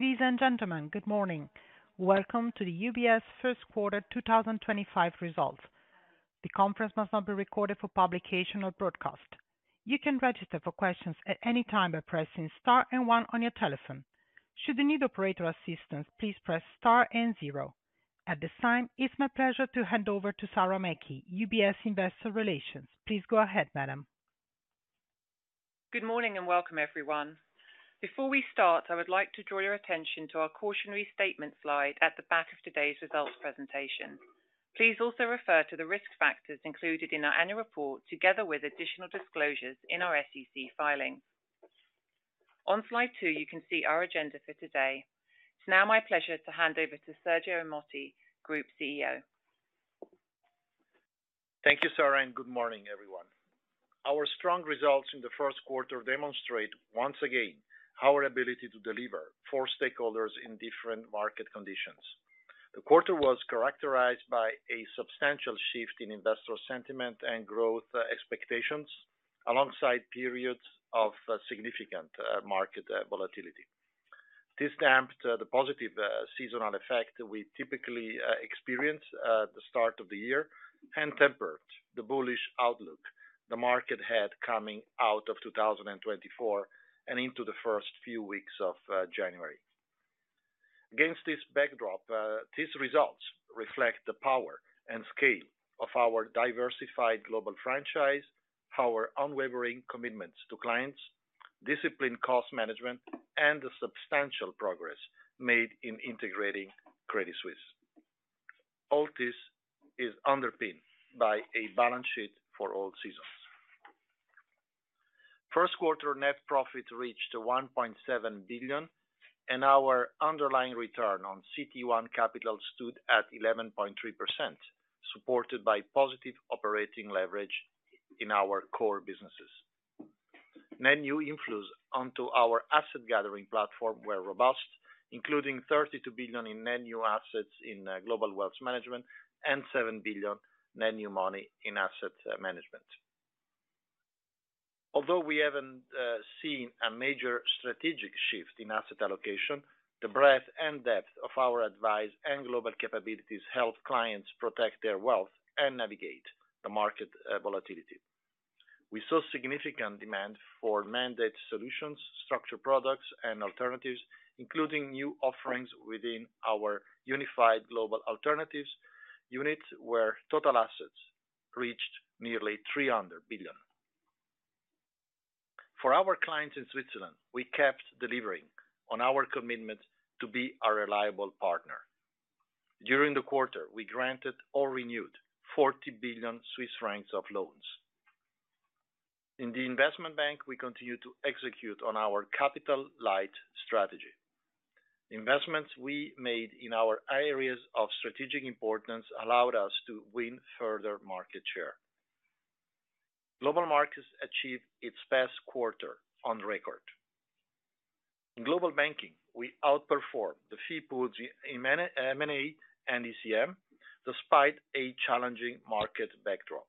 Ladies and gentlemen, good morning. Welcome to the UBS First Quarter 2025 Results. The conference must not be recorded for publication or broadcast. You can register for questions at any time by pressing star and one on your telephone. Should you need operator assistance, please press star and zero. At this time, it's my pleasure to hand over to Sarah Mackey, UBS Investor Relations. Please go ahead, Madam. Good morning and welcome, everyone. Before we start, I would like to draw your attention to our cautionary statement slide at the back of today's results presentation. Please also refer to the risk factors included in our annual report, together with additional disclosures in our SEC filing. On slide two, you can see our agenda for today. It's now my pleasure to hand over to Sergio Ermotti, Group CEO. Thank you, Sarah, and good morning, everyone. Our strong results in the first quarter demonstrate, once again, our ability to deliver for stakeholders in different market conditions. The quarter was characterized by a substantial shift in investor sentiment and growth expectations, alongside periods of significant market volatility. This damped the positive seasonal effect we typically experience at the start of the year and tempered the bullish outlook the market had coming out of 2024 and into the first few weeks of January. Against this backdrop, these results reflect the power and scale of our diversified global franchise, our unwavering commitments to clients, disciplined cost management, and the substantial progress made in integrating Credit Suisse. All this is underpinned by a balance sheet for all seasons. First quarter net profit reached $1.7 billion, and our underlying return on CET1 capital stood at 11.3%, supported by positive operating leverage in our core businesses. Net new inflows onto our asset gathering platform were robust, including $32 billion in net new assets in Global Wealth Management and $7 billion net new money in Asset Management. Although we haven't seen a major strategic shift in asset allocation, the breadth and depth of our advice and global capabilities helped clients protect their wealth and navigate the market volatility. We saw significant demand for mandate solutions, structured products, and alternatives, including new offerings within our Unified Global Alternatives unit, where total assets reached nearly $300 billion. For our clients in Switzerland, we kept delivering on our commitment to be a reliable partner. During the quarter, we granted or renewed 40 billion Swiss francs of loans. In the Investment Bank, we continued to execute on our capital-light strategy. Investments we made in our areas of strategic importance allowed us to win further market share. Global markets achieved its best quarter on record. In Global Banking, we outperformed the FI pools in M&A and ECM, despite a challenging market backdrop.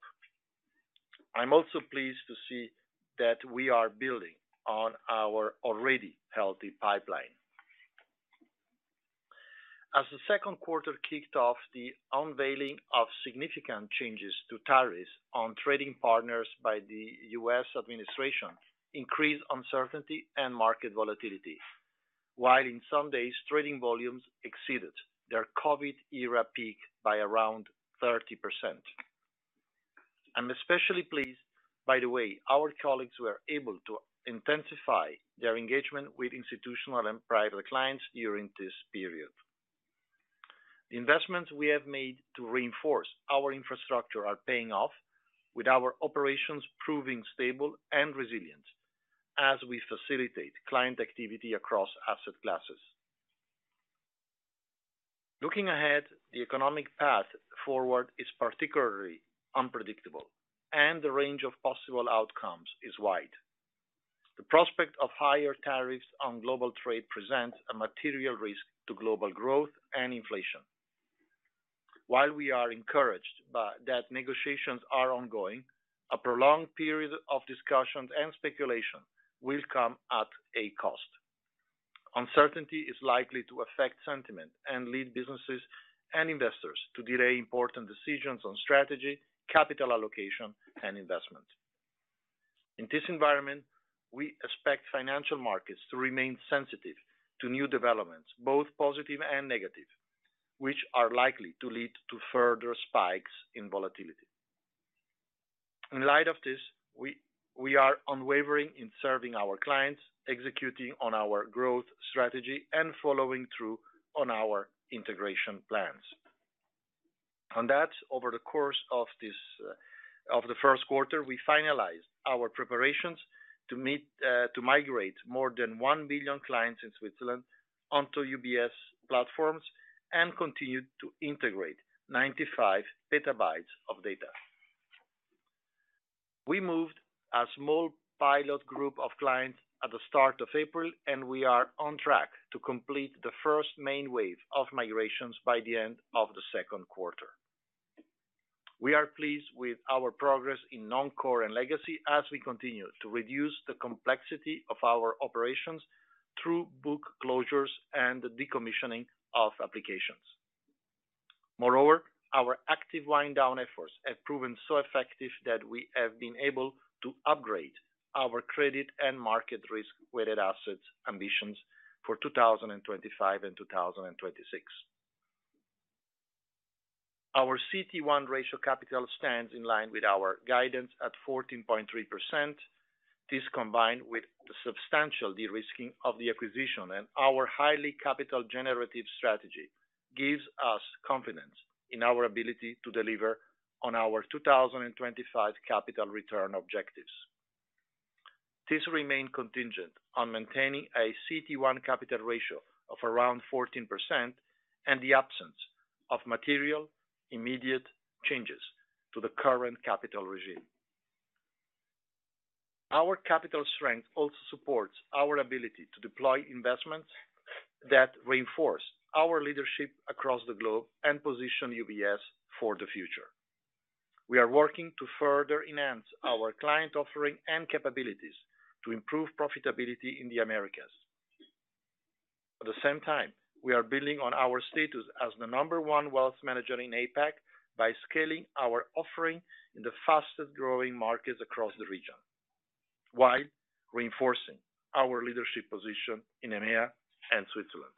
I'm also pleased to see that we are building on our already healthy pipeline. As the second quarter kicked off, the unveiling of significant changes to tariffs on trading partners by the U.S. administration increased uncertainty and market volatility. While in some days, trading volumes exceeded their COVID-era peak by around 30%. I'm especially pleased, by the way, our colleagues were able to intensify their engagement with institutional and private clients during this period. The investments we have made to reinforce our infrastructure are paying off, with our operations proving stable and resilient as we facilitate client activity across asset classes. Looking ahead, the economic path forward is particularly unpredictable, and the range of possible outcomes is wide. The prospect of higher tariffs on global trade presents a material risk to global growth and inflation. While we are encouraged that negotiations are ongoing, a prolonged period of discussions and speculation will come at a cost. Uncertainty is likely to affect sentiment and lead businesses and investors to delay important decisions on strategy, capital allocation, and investment. In this environment, we expect financial markets to remain sensitive to new developments, both positive and negative, which are likely to lead to further spikes in volatility. In light of this, we are unwavering in serving our clients, executing on our growth strategy, and following through on our integration plans. On that, over the course of the first quarter, we finalized our preparations to migrate more than 1 million clients in Switzerland onto UBS platforms and continue to integrate 95 PB of data. We moved a small pilot group of clients at the start of April, and we are on track to complete the first main wave of migrations by the end of the second quarter. We are pleased with our progress in Non-Core and Legacy as we continue to reduce the complexity of our operations through book closures and decommissioning of applications. Moreover, our active wind-down efforts have proven so effective that we have been able to upgrade our credit and market risk-weighted assets ambitions for 2025 and 2026. Our CET1 capital ratio stands in line with our guidance at 14.3%. This, combined with the substantial de-risking of the acquisition and our highly capital-generative strategy, gives us confidence in our ability to deliver on our 2025 capital return objectives. This remains contingent on maintaining a CET1 capital ratio of around 14% and the absence of material immediate changes to the current capital regime. Our capital strength also supports our ability to deploy investments that reinforce our leadership across the globe and position UBS for the future. We are working to further enhance our client offering and capabilities to improve profitability in the Americas. At the same time, we are building on our status as the number one wealth manager in APAC by scaling our offering in the fastest-growing markets across the region, while reinforcing our leadership position in EMEA and Switzerland.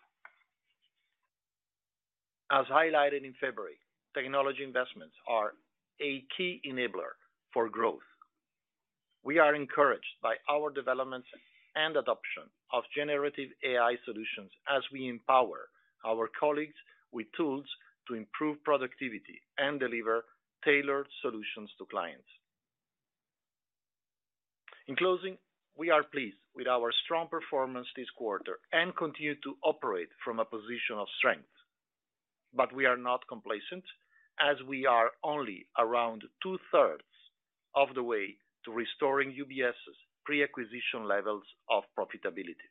As highlighted in February, technology investments are a key enabler for growth. We are encouraged by our developments and adoption of generative AI solutions as we empower our colleagues with tools to improve productivity and deliver tailored solutions to clients. In closing, we are pleased with our strong performance this quarter and continue to operate from a position of strength. We are not complacent, as we are only around two-thirds of the way to restoring UBS's pre-acquisition levels of profitability.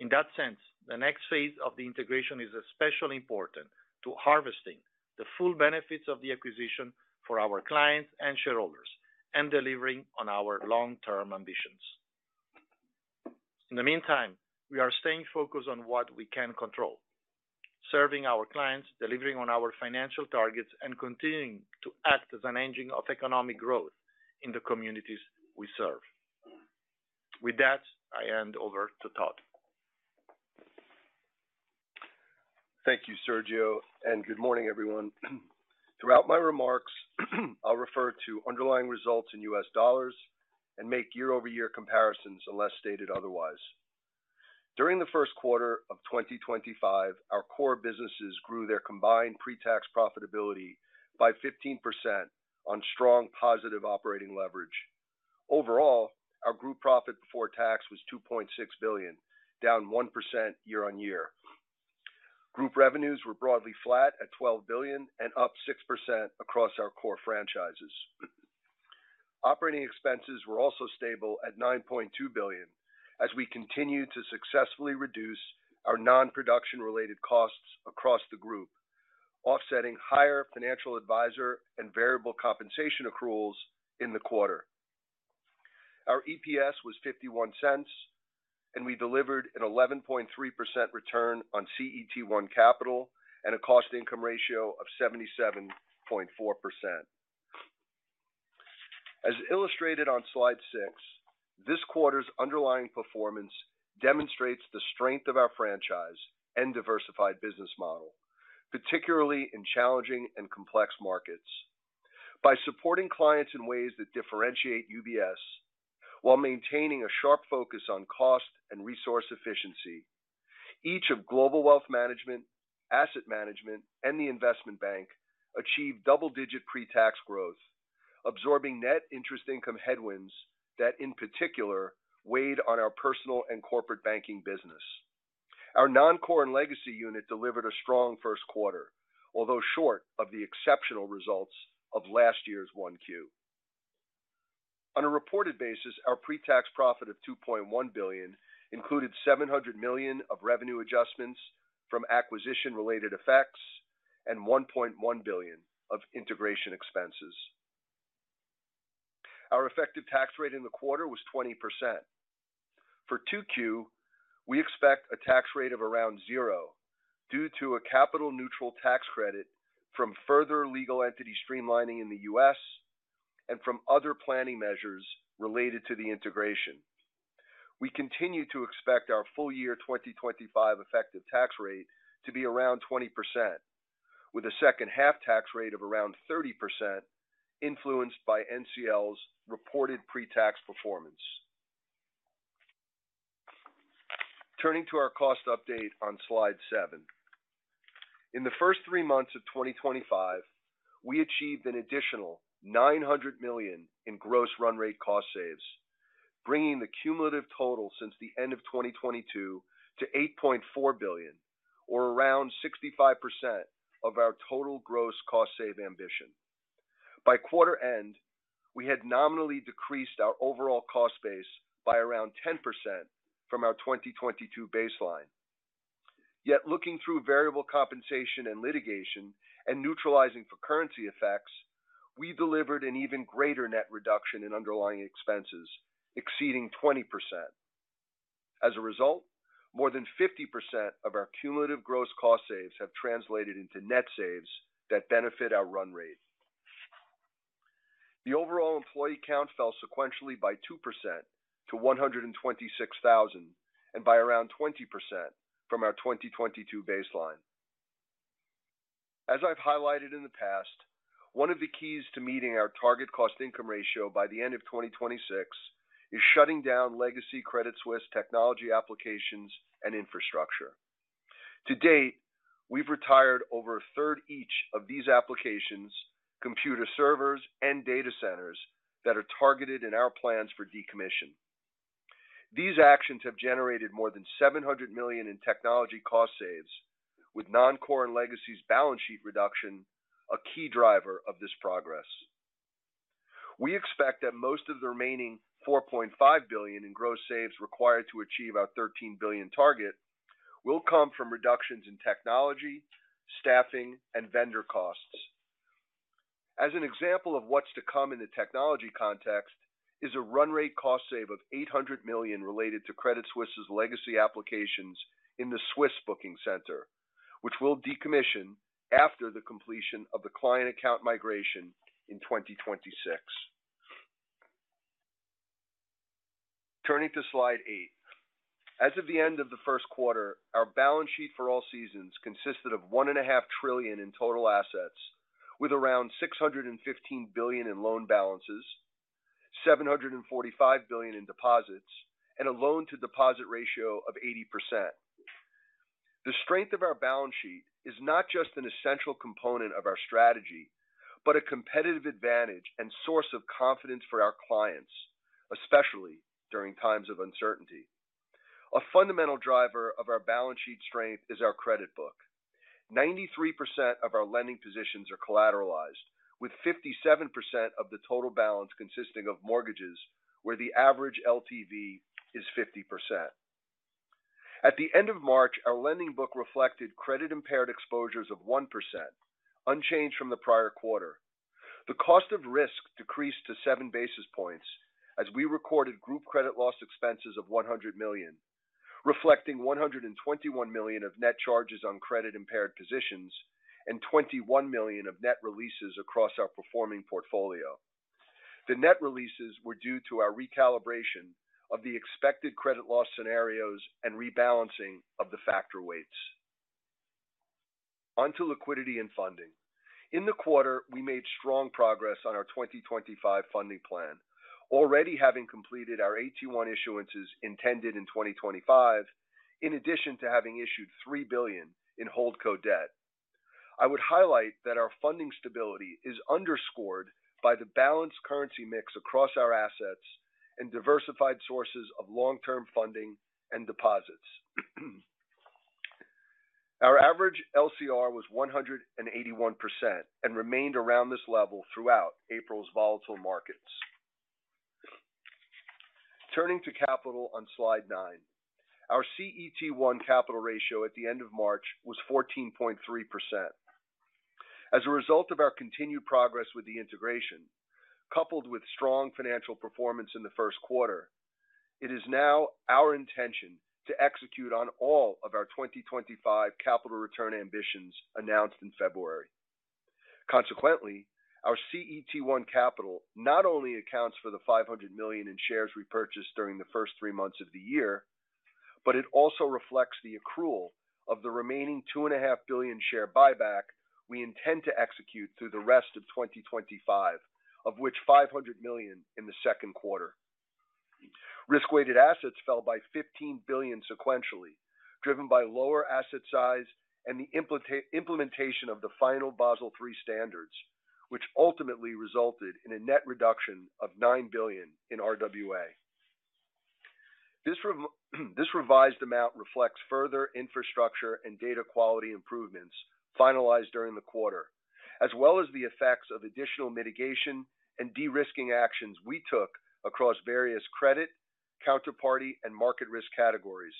In that sense, the next phase of the integration is especially important to harvesting the full benefits of the acquisition for our clients and shareholders and delivering on our long-term ambitions. In the meantime, we are staying focused on what we can control, serving our clients, delivering on our financial targets, and continuing to act as an engine of economic growth in the communities we serve. With that, I hand over to Todd. Thank you, Sergio, and good morning, everyone. Throughout my remarks, I'll refer to underlying results in U.S. dollars and make year-over-year comparisons unless stated otherwise. During the first quarter of 2025, our core businesses grew their combined pre-tax profitability by 15% on strong positive operating leverage. Overall, our group profit before tax was $2.6 billion, down 1% year-on-year. Group revenues were broadly flat at $12 billion and up 6% across our core franchises. Operating expenses were also stable at $9.2 billion as we continued to successfully reduce our non-production-related costs across the group, offsetting higher financial advisor and variable compensation accruals in the quarter. Our EPS was $0.51, and we delivered an 11.3% return on CET1 capital and a cost-to-income ratio of 77.4%. As illustrated on slide six, this quarter's underlying performance demonstrates the strength of our franchise and diversified business model, particularly in challenging and complex markets. By supporting clients in ways that differentiate UBS while maintaining a sharp focus on cost and resource efficiency, each of Global Wealth Management, Asset Management, and the Investment Bank achieved double-digit pre-tax growth, absorbing net interest income headwinds that, in particular, weighed on our Personal and Corporate Banking business. Our Non-Core and Legacy unit delivered a strong first quarter, although short of the exceptional results of last year's 1Q. On a reported basis, our pre-tax profit of $2.1 billion included $700 million of revenue adjustments from acquisition-related effects and $1.1 billion of integration expenses. Our effective tax rate in the quarter was 20%. For Q2, we expect a tax rate of around zero due to a capital-neutral tax credit from further legal entity streamlining in the U.S. and from other planning measures related to the integration. We continue to expect our full-year 2025 effective tax rate to be around 20%, with a second-half tax rate of around 30% influenced by NCL's reported pre-tax performance. Turning to our cost update on slide seven, in the first three months of 2025, we achieved an additional $900 million in gross run-rate cost saves, bringing the cumulative total since the end of 2022 to $8.4 billion, or around 65% of our total gross cost save ambition. By quarter end, we had nominally decreased our overall cost base by around 10% from our 2022 baseline. Yet, looking through variable compensation and litigation and neutralizing for currency effects, we delivered an even greater net reduction in underlying expenses exceeding 20%. As a result, more than 50% of our cumulative gross cost saves have translated into net saves that benefit our run rate. The overall employee count fell sequentially by 2% to 126,000 and by around 20% from our 2022 baseline. As I've highlighted in the past, one of the keys to meeting our target cost-to-income ratio by the end of 2026 is shutting down legacy Credit Suisse technology applications and infrastructure. To date, we've retired over a third each of these applications, computer servers, and data centers that are targeted in our plans for decommission. These actions have generated more than $700 million in technology cost saves, with Non-Core and Legacy's balance sheet reduction a key driver of this progress. We expect that most of the remaining $4.5 billion in gross saves required to achieve our $13 billion target will come from reductions in technology, staffing, and vendor costs. As an example of what's to come in the technology context is a run-rate cost save of $800 million related to Credit Suisse's legacy applications in the Swiss booking center, which will decommission after the completion of the client account migration in 2026. Turning to slide eight, as of the end of the first quarter, our balance sheet for all seasons consisted of $1.5 trillion in total assets, with around $615 billion in loan balances, $745 billion in deposits, and a loan-to-deposit ratio of 80%. The strength of our balance sheet is not just an essential component of our strategy, but a competitive advantage and source of confidence for our clients, especially during times of uncertainty. A fundamental driver of our balance sheet strength is our credit book. 93% of our lending positions are collateralized, with 57% of the total balance consisting of mortgages, where the average LTV is 50%. At the end of March, our lending book reflected credit-impaired exposures of 1%, unchanged from the prior quarter. The cost of risk decreased to seven basis points as we recorded group credit loss expenses of $100 million, reflecting $121 million of net charges on credit-impaired positions and $21 million of net releases across our performing portfolio. The net releases were due to our recalibration of the expected credit loss scenarios and rebalancing of the factor weights. Onto liquidity and funding. In the quarter, we made strong progress on our 2025 funding plan, already having completed our AT1 issuances intended in 2025, in addition to having issued $3 billion in Holdco debt. I would highlight that our funding stability is underscored by the balanced currency mix across our assets and diversified sources of long-term funding and deposits. Our average LCR was 181% and remained around this level throughout April's volatile markets. Turning to capital on slide nine, our CET1 capital ratio at the end of March was 14.3%. As a result of our continued progress with the integration, coupled with strong financial performance in the first quarter, it is now our intention to execute on all of our 2025 capital return ambitions announced in February. Consequently, our CET1 capital not only accounts for the $500 million in shares repurchased during the first three months of the year, but it also reflects the accrual of the remaining $2.5 billion share buyback we intend to execute through the rest of 2025, of which $500 million in the second quarter. Risk-weighted assets fell by $15 billion sequentially, driven by lower asset size and the implementation of the final Basel III standards, which ultimately resulted in a net reduction of $9 billion in RWA. This revised amount reflects further infrastructure and data quality improvements finalized during the quarter, as well as the effects of additional mitigation and de-risking actions we took across various credit, counterparty, and market risk categories.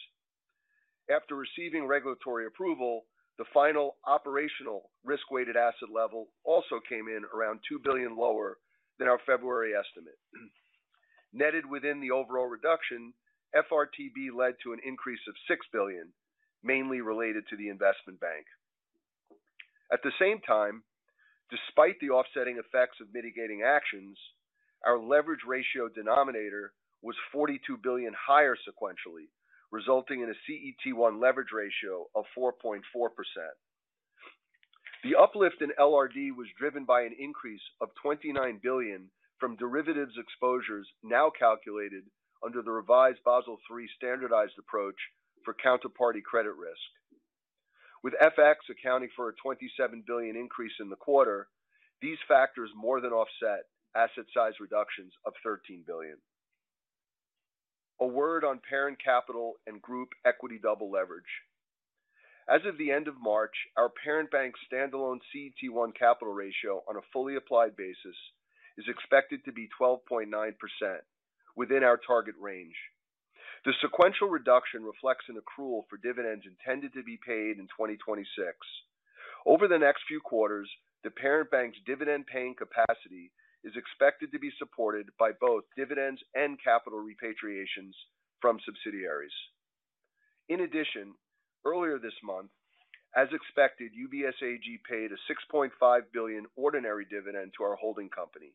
After receiving regulatory approval, the final operational risk-weighted asset level also came in around $2 billion lower than our February estimate. Netted within the overall reduction, FRTB led to an increase of $6 billion, mainly related to the investment bank. At the same time, despite the offsetting effects of mitigating actions, our leverage ratio denominator was $42 billion higher sequentially, resulting in a CET1 leverage ratio of 4.4%. The uplift in LRD was driven by an increase of $29 billion from derivatives exposures now calculated under the revised Basel III standardized approach for counterparty credit risk. With FX accounting for a $27 billion increase in the quarter, these factors more than offset asset size reductions of $13 billion. A word on parent capital and group equity double leverage. As of the end of March, our parent bank's stand-alone CET1 capital ratio on a fully applied basis is expected to be 12.9%, within our target range. The sequential reduction reflects an accrual for dividends intended to be paid in 2026. Over the next few quarters, the parent bank's dividend-paying capacity is expected to be supported by both dividends and capital repatriations from subsidiaries. In addition, earlier this month, as expected, UBS AG paid a $6.5 billion ordinary dividend to our holding company.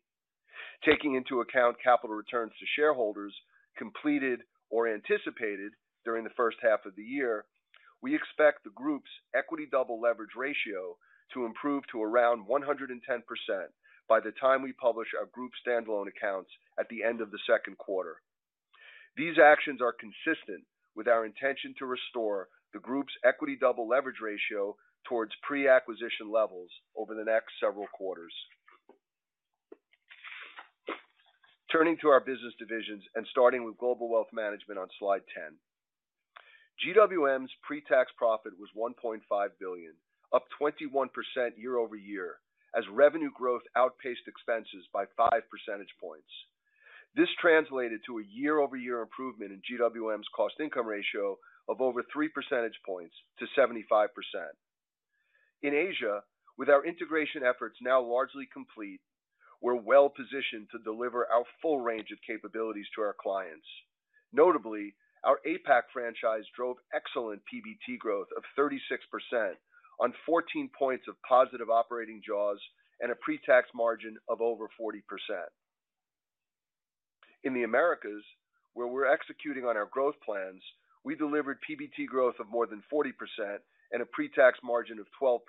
Taking into account capital returns to shareholders completed or anticipated during the first half of the year, we expect the group's equity double leverage ratio to improve to around 110% by the time we publish our group standalone accounts at the end of the second quarter. These actions are consistent with our intention to restore the group's equity double leverage ratio towards pre-acquisition levels over the next several quarters. Turning to our business divisions and starting with Global Wealth Management on slide 10, GWM's pre-tax profit was $1.5 billion, up 21% year-over-year, as revenue growth outpaced expenses by five percentage points. This translated to a year-over-year improvement in GWM's cost-to-income ratio of over three percentage points to 75%. In Asia, with our integration efforts now largely complete, we're well-positioned to deliver our full range of capabilities to our clients. Notably, our APAC franchise drove excellent PBT growth of 36% on 14 percentage points of positive operating jaws and a pre-tax margin of over 40%. In the Americas, where we're executing on our growth plans, we delivered PBT growth of more than 40% and a pre-tax margin of 12%.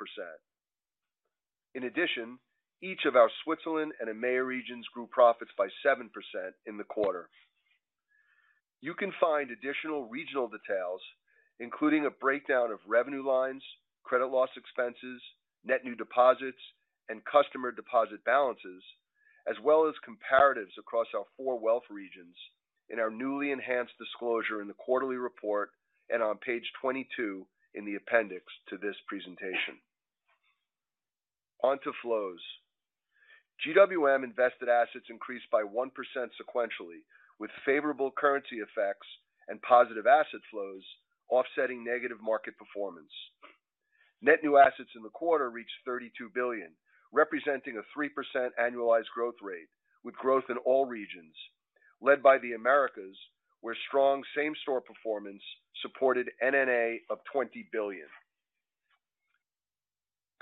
In addition, each of our Switzerland and EMEA regions grew profits by 7% in the quarter. You can find additional regional details, including a breakdown of revenue lines, credit loss expenses, net new deposits, and customer deposit balances, as well as comparatives across our four wealth regions in our newly enhanced disclosure in the quarterly report and on page 22 in the appendix to this presentation. Onto flows. GWM invested assets increased by 1% sequentially, with favorable currency effects and positive asset flows offsetting negative market performance. Net new assets in the quarter reached $32 billion, representing a 3% annualized growth rate, with growth in all regions, led by the Americas, where strong same-store performance supported NNA of $20 billion.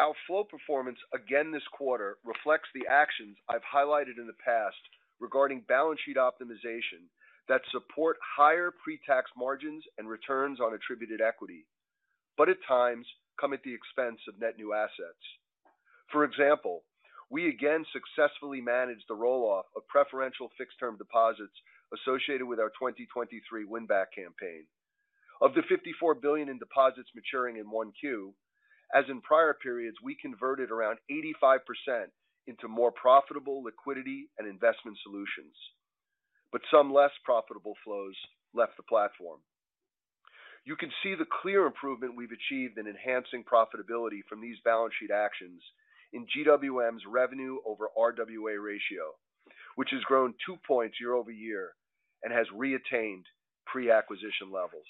Our flow performance again this quarter reflects the actions I've highlighted in the past regarding balance sheet optimization that support higher pre-tax margins and returns on attributed equity, but at times come at the expense of net new assets. For example, we again successfully managed the roll-off of preferential fixed-term deposits associated with our 2023 win-back campaign. Of the $54 billion in deposits maturing in Q1, as in prior periods, we converted around 85% into more profitable liquidity and investment solutions, but some less profitable flows left the platform. You can see the clear improvement we've achieved in enhancing profitability from these balance sheet actions in GWM's revenue over RWA ratio, which has grown 2 percentage points year-over-year and has re-attained pre-acquisition levels.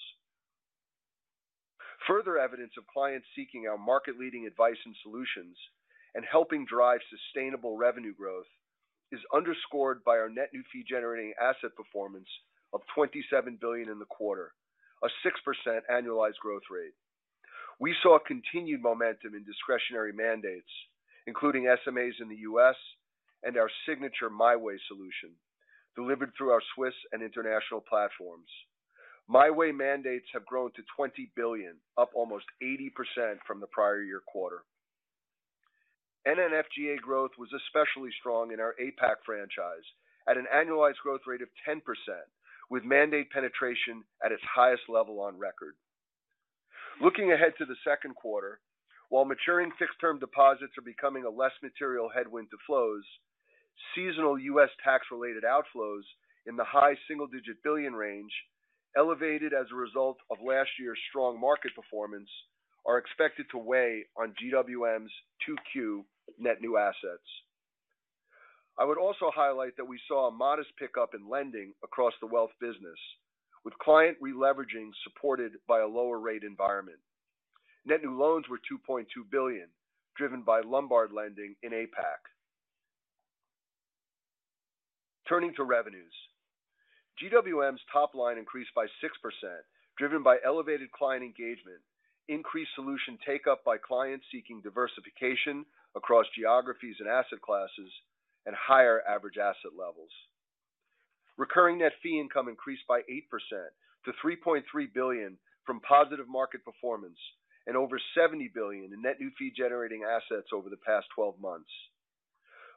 Further evidence of clients seeking our market-leading advice and solutions and helping drive sustainable revenue growth is underscored by our net new fee-generating asset performance of $27 billion in the quarter, a 6% annualized growth rate. We saw continued momentum in discretionary mandates, including SMAs in the U.S. and our signature My Way solution, delivered through our Swiss and international platforms. My Way mandates have grown to $20 billion, up almost 80% from the prior year quarter. NNFGA growth was especially strong in our APAC franchise at an annualized growth rate of 10%, with mandate penetration at its highest level on record. Looking ahead to the second quarter, while maturing fixed-term deposits are becoming a less material headwind to flows, seasonal U.S. tax-related outflows in the high single-digit billion range, elevated as a result of last year's strong market performance, are expected to weigh on GWM's 2Q net new assets. I would also highlight that we saw a modest pickup in lending across the wealth business, with client re-leveraging supported by a lower rate environment. Net new loans were $2.2 billion, driven by Lombard lending in APAC. Turning to revenues, GWM's top line increased by 6%, driven by elevated client engagement, increased solution take-up by clients seeking diversification across geographies and asset classes, and higher average asset levels. Recurring net fee income increased by 8% to $3.3 billion from positive market performance and over $70 billion in net new fee-generating assets over the past 12 months.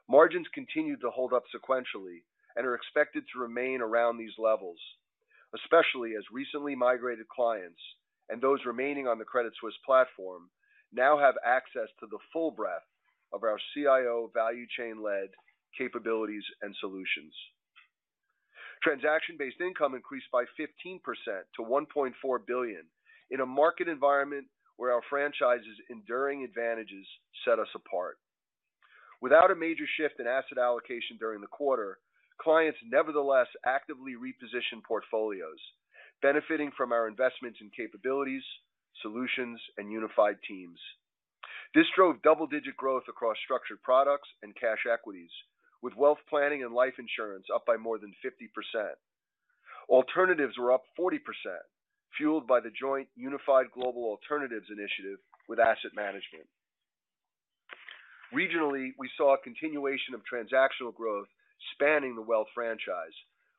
Margins continued to hold up sequentially and are expected to remain around these levels, especially as recently migrated clients and those remaining on the Credit Suisse platform now have access to the full breadth of our CIO value chain-led capabilities and solutions. Transaction-based income increased by 15% to $1.4 billion in a market environment where our franchise's enduring advantages set us apart. Without a major shift in asset allocation during the quarter, clients nevertheless actively repositioned portfolios, benefiting from our investments in capabilities, solutions, and unified teams. This drove double-digit growth across structured products and cash equities, with wealth planning and life insurance up by more than 50%. Alternatives were up 40%, fueled by the joint Unified Global Alternatives initiative with asset management. Regionally, we saw a continuation of transactional growth spanning the wealth franchise,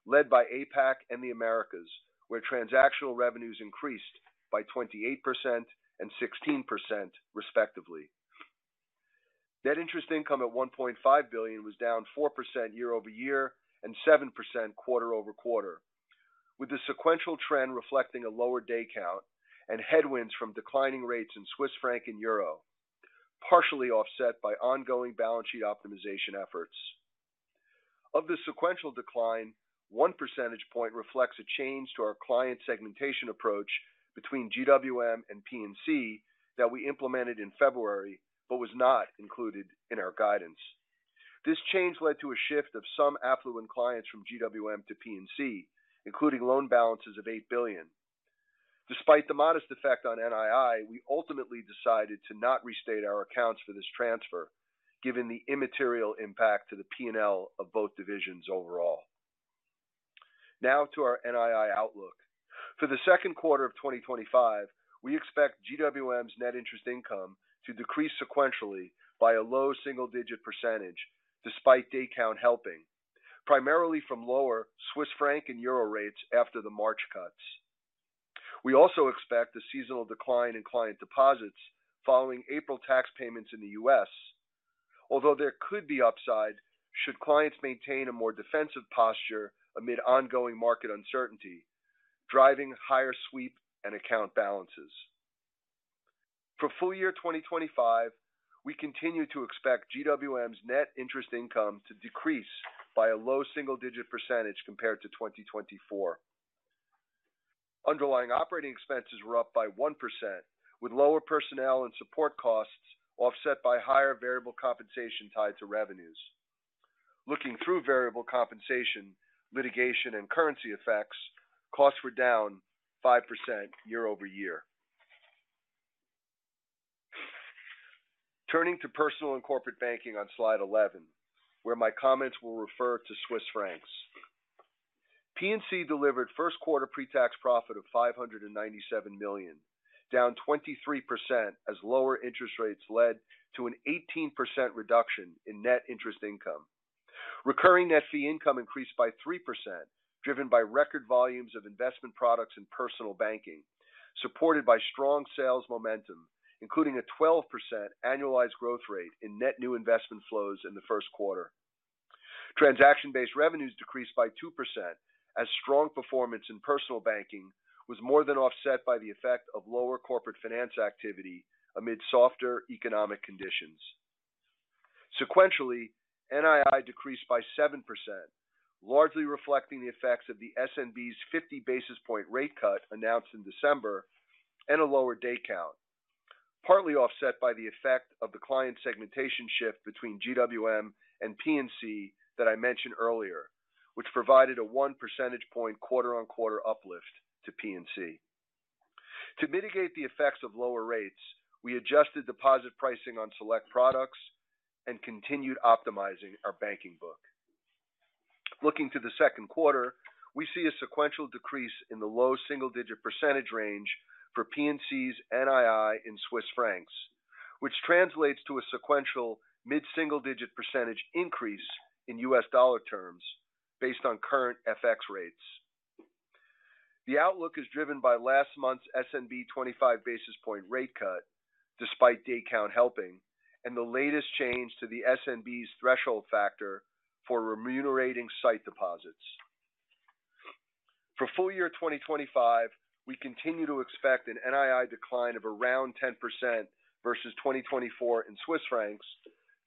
led by APAC and the Americas, where transactional revenues increased by 28% and 16%, respectively. Net interest income at $1.5 billion was down 4% year-over-year and 7% quarter-over-quarter, with the sequential trend reflecting a lower day count and headwinds from declining rates in Swiss francs and euro, partially offset by ongoing balance sheet optimization efforts. Of the sequential decline, one percentage point reflects a change to our client segmentation approach between GWM and P&C that we implemented in February but was not included in our guidance. This change led to a shift of some affluent clients from GWM to P&C, including loan balances of $8 billion. Despite the modest effect on NII, we ultimately decided to not restate our accounts for this transfer, given the immaterial impact to the P&L of both divisions overall. Now to our NII outlook. For the second quarter of 2025, we expect GWM's net interest income to decrease sequentially by a low single-digit %, despite day count helping, primarily from lower Swiss franc and euro rates after the March cuts. We also expect a seasonal decline in client deposits following April tax payments in the U.S., although there could be upside should clients maintain a more defensive posture amid ongoing market uncertainty, driving higher sweep and account balances. For full year 2025, we continue to expect GWM's net interest income to decrease by a low single-digit percentage compared to 2024. Underlying operating expenses were up by 1%, with lower personnel and support costs offset by higher variable compensation tied to revenues. Looking through variable compensation, litigation, and currency effects, costs were down 5% year-over-year. Turning to Personal and Corporate Banking on slide 11, where my comments will refer to Swiss francs. P&C delivered first quarter pre-tax profit of $597 million, down 23% as lower interest rates led to an 18% reduction in net interest income. Recurring net fee income increased by 3%, driven by record volumes of investment products and Personal Banking, supported by strong sales momentum, including a 12% annualized growth rate in net new investment flows in the first quarter. Transaction-based revenues decreased by 2% as strong performance in Personal Banking was more than offset by the effect of lower corporate finance activity amid softer economic conditions. Sequentially, NII decreased by 7%, largely reflecting the effects of the SNB's 50 basis point rate cut announced in December and a lower day count, partly offset by the effect of the client segmentation shift between GWM and P&C that I mentioned earlier, which provided a 1 percentage point quarter-on-quarter uplift to P&C. To mitigate the effects of lower rates, we adjusted deposit pricing on select products and continued optimizing our banking book. Looking to the second quarter, we see a sequential decrease in the low single-digit percentage range for P&C's NII in Swiss francs, which translates to a sequential mid-single-digit percentage increase in U.S. dollar terms based on current FX rates. The outlook is driven by last month's SNB 25 basis point rate cut, despite day count helping, and the latest change to the SNB's threshold factor for remunerating site deposits. For full year 2025, we continue to expect an NII decline of around 10% versus 2024 in Swiss francs,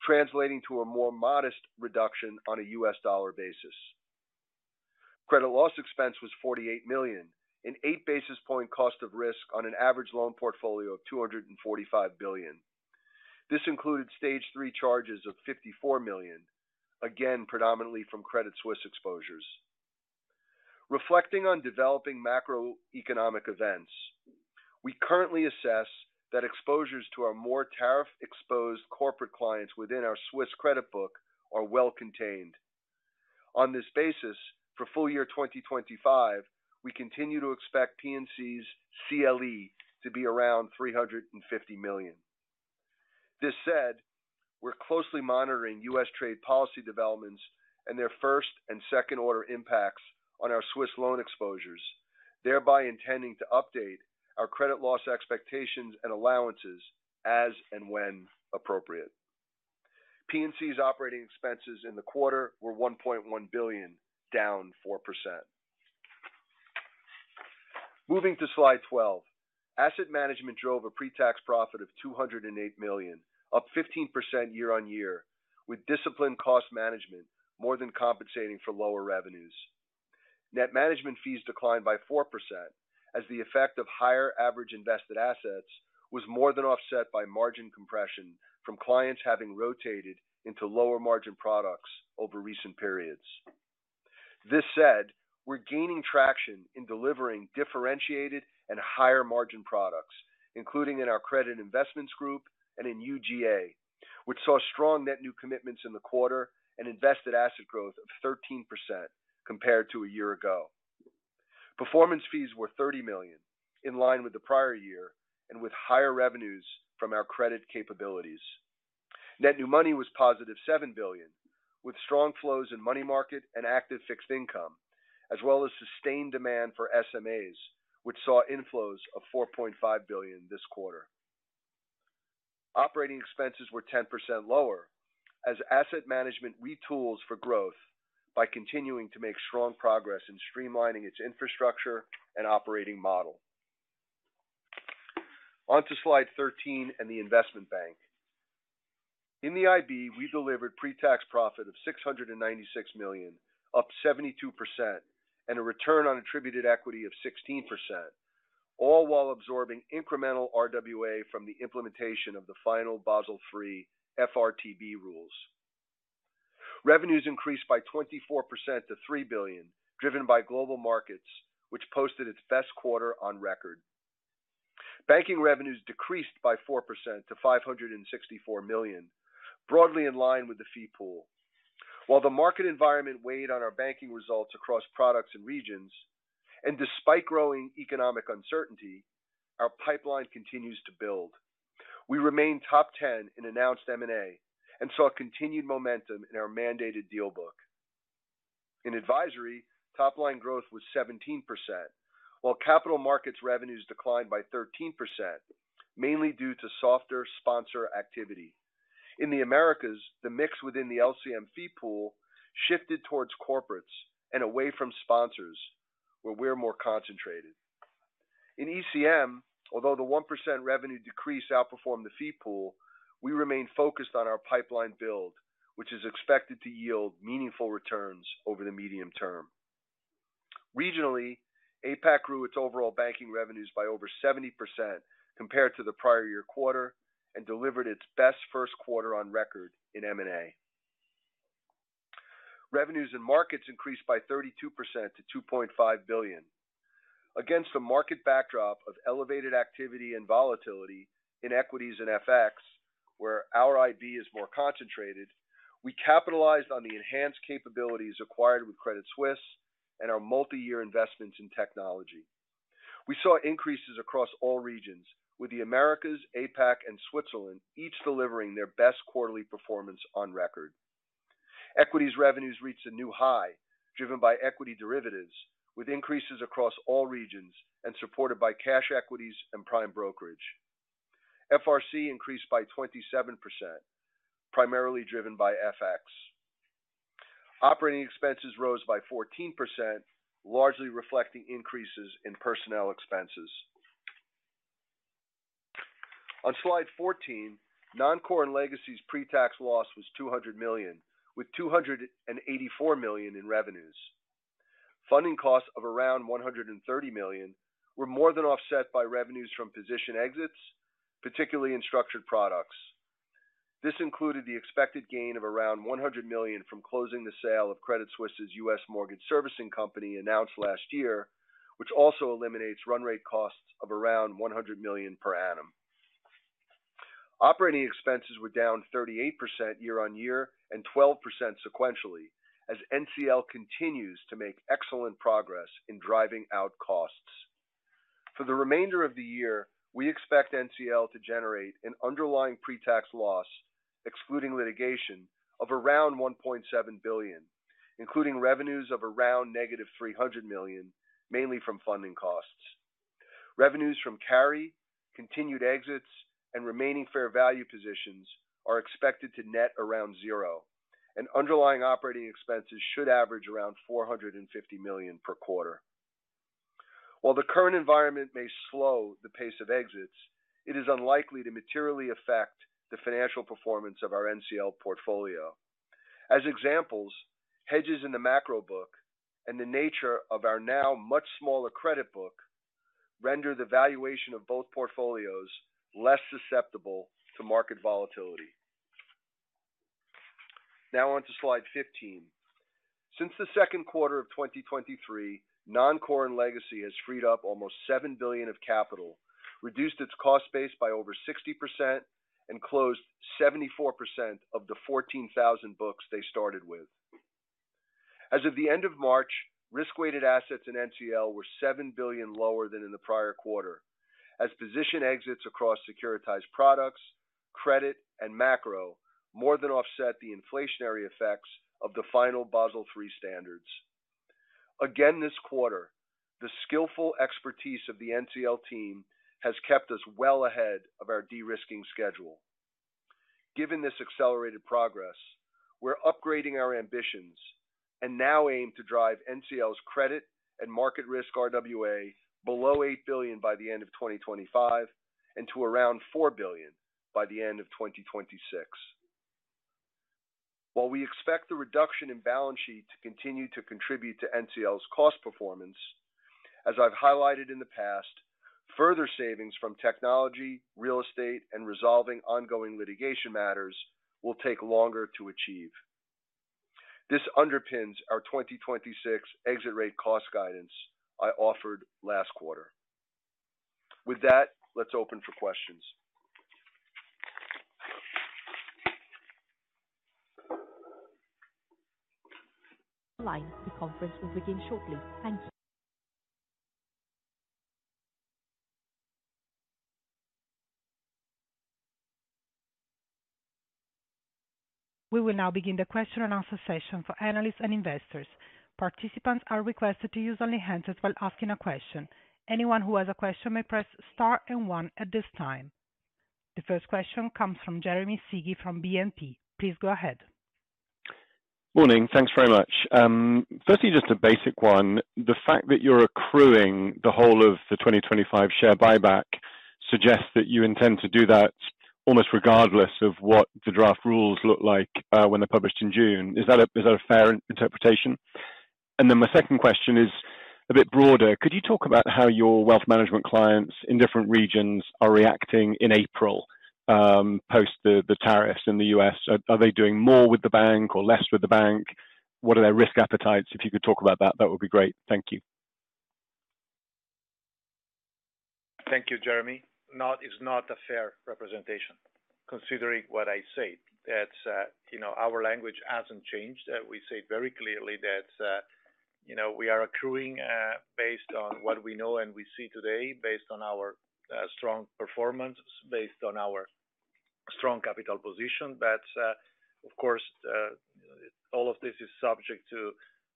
translating to a more modest reduction on a U.S. dollar basis. Credit loss expense was 48 million in 8 basis point cost of risk on an average loan portfolio of 245 billion. This included stage three charges of $54 million, again predominantly from Credit Suisse exposures. Reflecting on developing macroeconomic events, we currently assess that exposures to our more tariff-exposed corporate clients within our Swiss credit book are well-contained. On this basis, for full year 2025, we continue to expect P&C's CLE to be around $350 million. This said, we're closely monitoring U.S. trade policy developments and their first and second-order impacts on our Swiss loan exposures, thereby intending to update our credit loss expectations and allowances as and when appropriate. P&C's operating expenses in the quarter were $1.1 billion, down 4%. Moving to slide 12, Asset Management drove a pre-tax profit of $208 million, up 15% year-on-year, with disciplined cost management more than compensating for lower revenues. Net management fees declined by 4% as the effect of higher average invested assets was more than offset by margin compression from clients having rotated into lower margin products over recent periods. This said, we're gaining traction in delivering differentiated and higher margin products, including in our Credit Investments Group and in UGA, which saw strong net new commitments in the quarter and invested asset growth of 13% compared to a year ago. Performance fees were $30 million, in line with the prior year and with higher revenues from our credit capabilities. Net new money was positive $7 billion, with strong flows in money market and active fixed income, as well as sustained demand for SMAs, which saw inflows of $4.5 billion this quarter. Operating expenses were 10% lower as asset management retools for growth by continuing to make strong progress in streamlining its infrastructure and operating model. On to slide 13 and the Investment Bank. In the IB, we delivered pre-tax profit of $696 million, up 72%, and a return on attributed equity of 16%, all while absorbing incremental RWA from the implementation of the final Basel III FRTB rules. Revenues increased by 24% to $3 billion, driven by global markets, which posted its best quarter on record. Banking revenues decreased by 4% to $564 million, broadly in line with the fee pool. While the market environment weighed on our banking results across products and regions, and despite growing economic uncertainty, our pipeline continues to build. We remained top 10 in announced M&A and saw continued momentum in our mandated deal book. In advisory, top line growth was 17%, while capital markets revenues declined by 13%, mainly due to softer sponsor activity. In the Americas, the mix within the LCM fee pool shifted towards corporates and away from sponsors, where we're more concentrated. In ECM, although the 1% revenue decrease outperformed the fee pool, we remained focused on our pipeline build, which is expected to yield meaningful returns over the medium term. Regionally, APAC grew its overall banking revenues by over 70% compared to the prior year quarter and delivered its best first quarter on record in M&A. Revenues and markets increased by 32% to $2.5 billion. Against a market backdrop of elevated activity and volatility in equities and FX, where our IB is more concentrated, we capitalized on the enhanced capabilities acquired with Credit Suisse and our multi-year investments in technology. We saw increases across all regions, with the Americas, APAC, and Switzerland each delivering their best quarterly performance on record. Equities revenues reached a new high, driven by equity derivatives, with increases across all regions and supported by cash equities and prime brokerage. FRC increased by 27%, primarily driven by FX. Operating expenses rose by 14%, largely reflecting increases in personnel expenses. On slide 14, Non-Core and Legacy's pre-tax loss was $200 million, with $284 million in revenues. Funding costs of around $130 million were more than offset by revenues from position exits, particularly in structured products. This included the expected gain of around $100 million from closing the sale of Credit Suisse's U.S. mortgage servicing company announced last year, which also eliminates run rate costs of around $100 million per annum. Operating expenses were down 38% year-on-year and 12% sequentially, as NCL continues to make excellent progress in driving out costs. For the remainder of the year, we expect NCL to generate an underlying pre-tax loss, excluding litigation, of around $1.7 billion, including revenues of around negative $300 million, mainly from funding costs. Revenues from carry, continued exits, and remaining fair value positions are expected to net around zero, and underlying operating expenses should average around $450 million per quarter. While the current environment may slow the pace of exits, it is unlikely to materially affect the financial performance of our NCL portfolio. As examples, hedges in the macro book and the nature of our now much smaller credit book render the valuation of both portfolios less susceptible to market volatility. Now on to slide 15. Since the second quarter of 2023, Non-Core and Legacy has freed up almost $7 billion of capital, reduced its cost base by over 60%, and closed 74% of the 14,000 books they started with. As of the end of March, risk-weighted assets in NCL were $7 billion lower than in the prior quarter, as position exits across securitized products, credit, and macro more than offset the inflationary effects of the final Basel III standards. Again this quarter, the skillful expertise of the NCL team has kept us well ahead of our de-risking schedule. Given this accelerated progress, we're upgrading our ambitions and now aim to drive NCL's credit and market risk RWA below $8 billion by the end of 2025 and to around $4 billion by the end of 2026. While we expect the reduction in balance sheet to continue to contribute to NCL's cost performance, as I've highlighted in the past, further savings from technology, real estate, and resolving ongoing litigation matters will take longer to achieve. This underpins our 2026 exit rate cost guidance I offered last quarter. With that, let's open for questions. The conference will begin shortly. Thank you. We will now begin the question-and-answer session for analysts and investors. Participants are requested to use only hands while asking a question. Anyone who has a question may press star and one at this time. The first question comes from Jeremy Sigee from BNP. Please go ahead. Morning. Thanks very much. Firstly, just a basic one. The fact that you're accruing the whole of the 2025 share buyback suggests that you intend to do that almost regardless of what the draft rules look like when they're published in June. Is that a fair interpretation? My second question is a bit broader. Could you talk about how your wealth management clients in different regions are reacting in April post the tariffs in the U.S? Are they doing more with the bank or less with the bank? What are their risk appetites? If you could talk about that, that would be great. Thank you. Thank you, Jeremy. It's not a fair representation, considering what I say. Our language hasn't changed. We say very clearly that we are accruing based on what we know and we see today, based on our strong performance, based on our strong capital position. Of course, all of this is subject to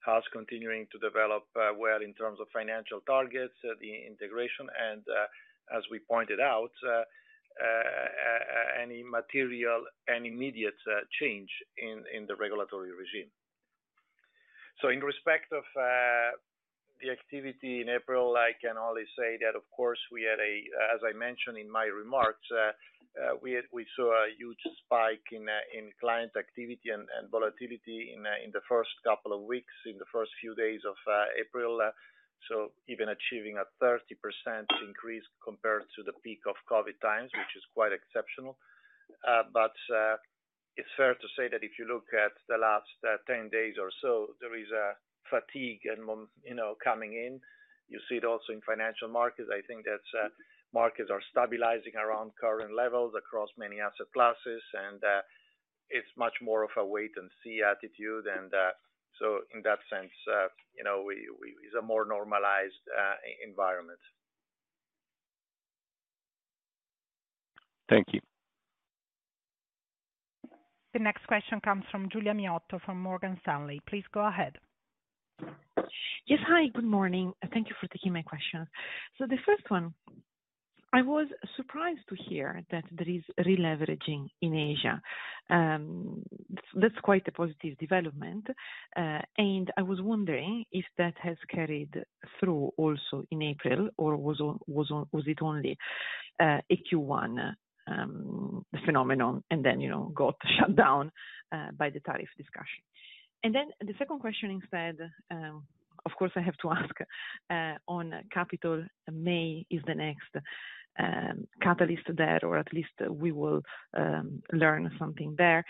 us continuing to develop well in terms of financial targets, the integration, and as we pointed out, any material and immediate change in the regulatory regime. In respect of the activity in April, I can only say that, of course, we had a, as I mentioned in my remarks, we saw a huge spike in client activity and volatility in the first couple of weeks, in the first few days of April, so even achieving a 30% increase compared to the peak of COVID times, which is quite exceptional. It's fair to say that if you look at the last 10 days or so, there is a fatigue coming in. You see it also in financial markets. I think that markets are stabilizing around current levels across many asset classes, and it's much more of a wait-and-see attitude. In that sense, it's a more normalized environment. Thank you. The next question comes from Giulia Miotto from Morgan Stanley. Please go ahead. Yes. Hi. Good morning. Thank you for taking my questions. The first one, I was surprised to hear that there is re-leveraging in Asia. That's quite a positive development. I was wondering if that has carried through also in April, or was it only a Q1 phenomenon and then got shut down by the tariff discussion? The second question instead, of course, I have to ask on capital. May is the next catalyst there, or at least we will learn something there.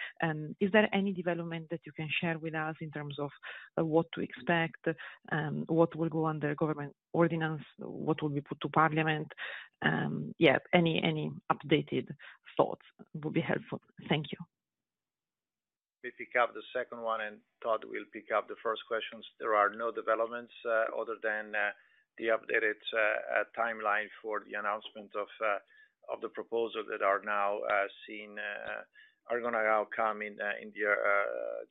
Is there any development that you can share with us in terms of what to expect, what will go under government ordinance, what will be put to Parliament? Yeah, any updated thoughts would be helpful. Thank you. May pick up the second one, and Todd will pick up the first questions. There are no developments other than the updated timeline for the announcement of the proposal that are now seen are going to now come in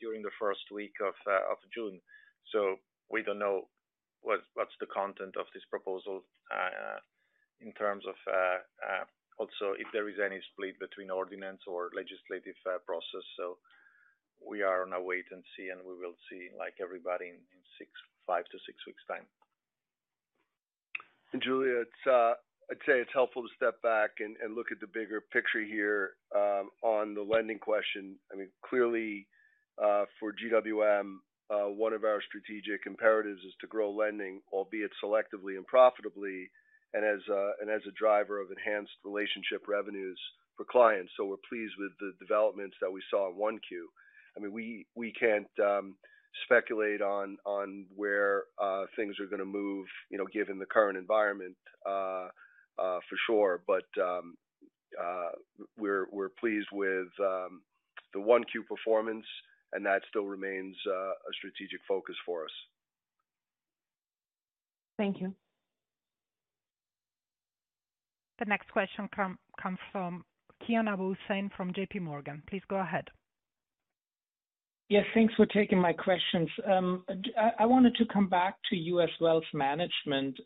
during the first week of June. We do not know what is the content of this proposal in terms of also if there is any split between ordinance or legislative process. We are on our wait and see, and we will see like everybody in five to six weeks' time. Giulia, I'd say it's helpful to step back and look at the bigger picture here on the lending question. I mean, clearly for GWM, one of our strategic imperatives is to grow lending, albeit selectively and profitably, and as a driver of enhanced relationship revenues for clients. We are pleased with the developments that we saw in 1Q. I mean, we can't speculate on where things are going to move given the current environment for sure, but we're pleased with the Q1 performance, and that still remains a strategic focus for us. Thank you. The next question comes from Kian Abouhossein from JPMorgan. Please go ahead. Yes. Thanks for taking my questions. I wanted to come back to U.S. Wealth Management.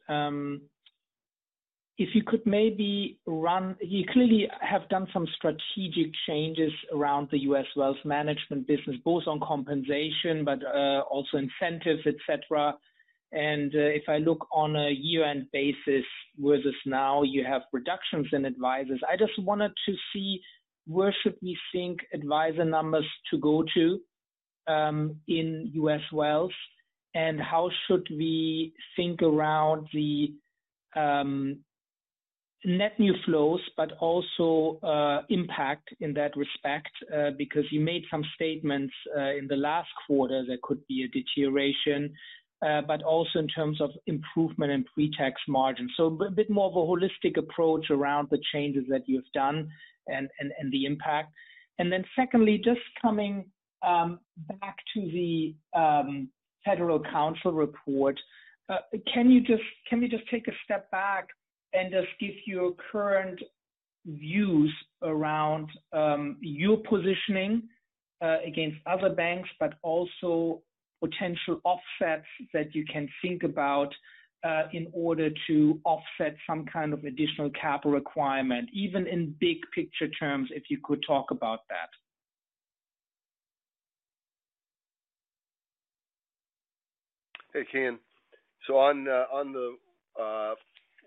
If you could maybe run, you clearly have done some strategic changes around the U.S. Wealth Management business, both on compensation, but also incentives, etc. If I look on a year-end basis versus now, you have reductions in advisors. I just wanted to see where should we think advisor numbers to go to in U.S. Wealth, and how should we think around the net new flows, but also impact in that respect? Because you made some statements in the last quarter that could be a deterioration, but also in terms of improvement and pre-tax margin. A bit more of a holistic approach around the changes that you've done and the impact. Secondly, just coming back to the Federal Council report, can you just take a step back and just give your current views around your positioning against other banks, but also potential offsets that you can think about in order to offset some kind of additional capital requirement, even in big picture terms, if you could talk about that. Hey, Kian. On the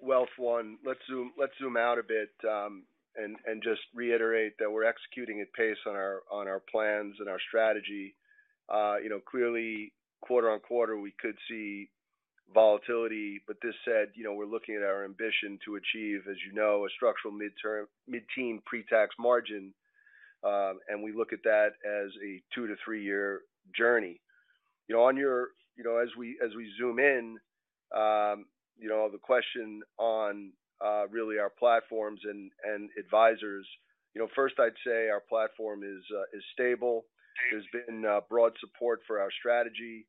wealth one, let's zoom out a bit and just reiterate that we're executing at pace on our plans and our strategy. Clearly, quarter-on-quarter, we could see volatility, but this said we're looking at our ambition to achieve, as you know, a structural mid-teens pre-tax margin, and we look at that as a two to three-year journey. As we zoom in, the question on really our platforms and advisors, first, I'd say our platform is stable. There's been broad support for our strategy,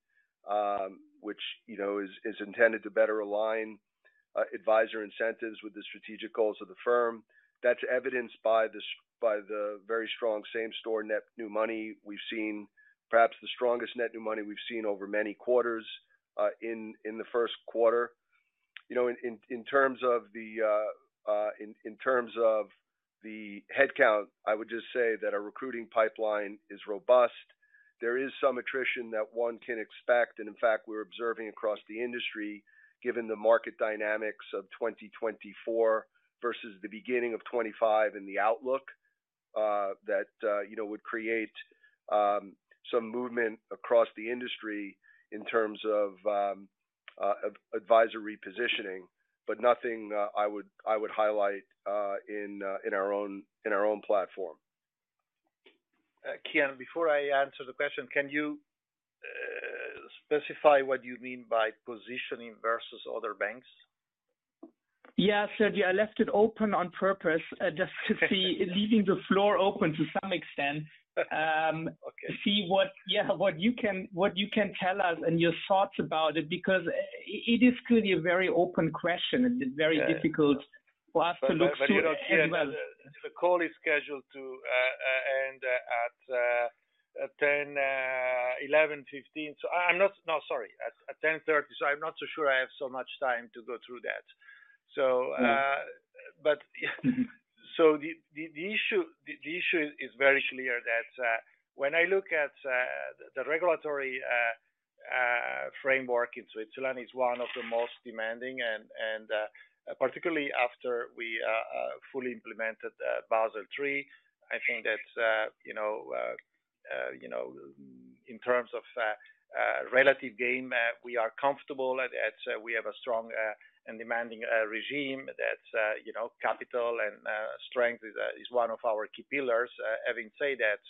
which is intended to better align advisor incentives with the strategic goals of the firm. That's evidenced by the very strong same-store net new money we've seen, perhaps the strongest net new money we've seen over many quarters in the first quarter. In terms of the headcount, I would just say that our recruiting pipeline is robust. There is some attrition that one can expect, and in fact, we're observing across the industry, given the market dynamics of 2024 versus the beginning of 2025 and the outlook that would create some movement across the industry in terms of advisory positioning, but nothing I would highlight in our own platform. Kian, before I answer the question, can you specify what you mean by positioning versus other banks? Yes, Sergio, I left it open on purpose just to see, leaving the floor open to some extent, to see what you can tell us and your thoughts about it, because it is clearly a very open question and very difficult for us to look through it as well. The call is scheduled to end at 10:11, 15. No, sorry, at 10:30. I am not so sure I have so much time to go through that. The issue is very clear that when I look at the regulatory framework in Switzerland, it's one of the most demanding, and particularly after we fully implemented Basel III, I think that in terms of relative gain, we are comfortable that we have a strong and demanding regime, that capital and strength is one of our key pillars. Having said that,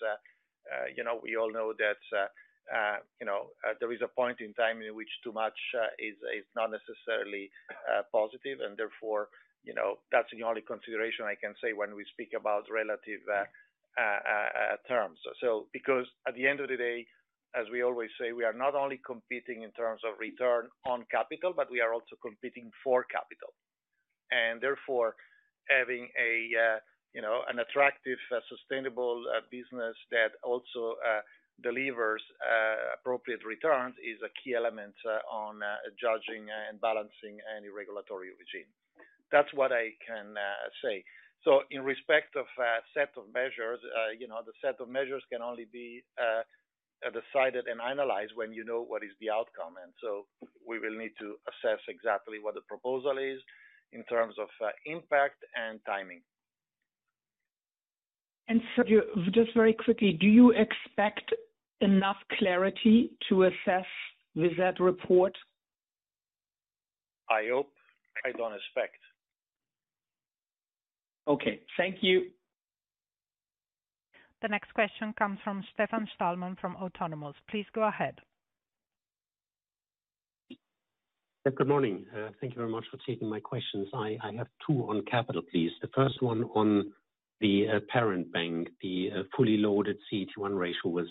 we all know that there is a point in time in which too much is not necessarily positive, and therefore, that's the only consideration I can say when we speak about relative terms. Because at the end of the day, as we always say, we are not only competing in terms of return on capital, but we are also competing for capital. Therefore, having an attractive, sustainable business that also delivers appropriate returns is a key element on judging and balancing any regulatory regime. That's what I can say. In respect of a set of measures, the set of measures can only be decided and analyzed when you know what is the outcome. We will need to assess exactly what the proposal is in terms of impact and timing. Just very quickly, do you expect enough clarity to assess with that report? I hope. I don't expect. Okay. Thank you. The next question comes from Stefan Stalmann from Autonomous. Please go ahead. Good morning. Thank you very much for taking my questions. I have two on capital, please. The first one on the parent bank, the fully loaded CET1 ratio was,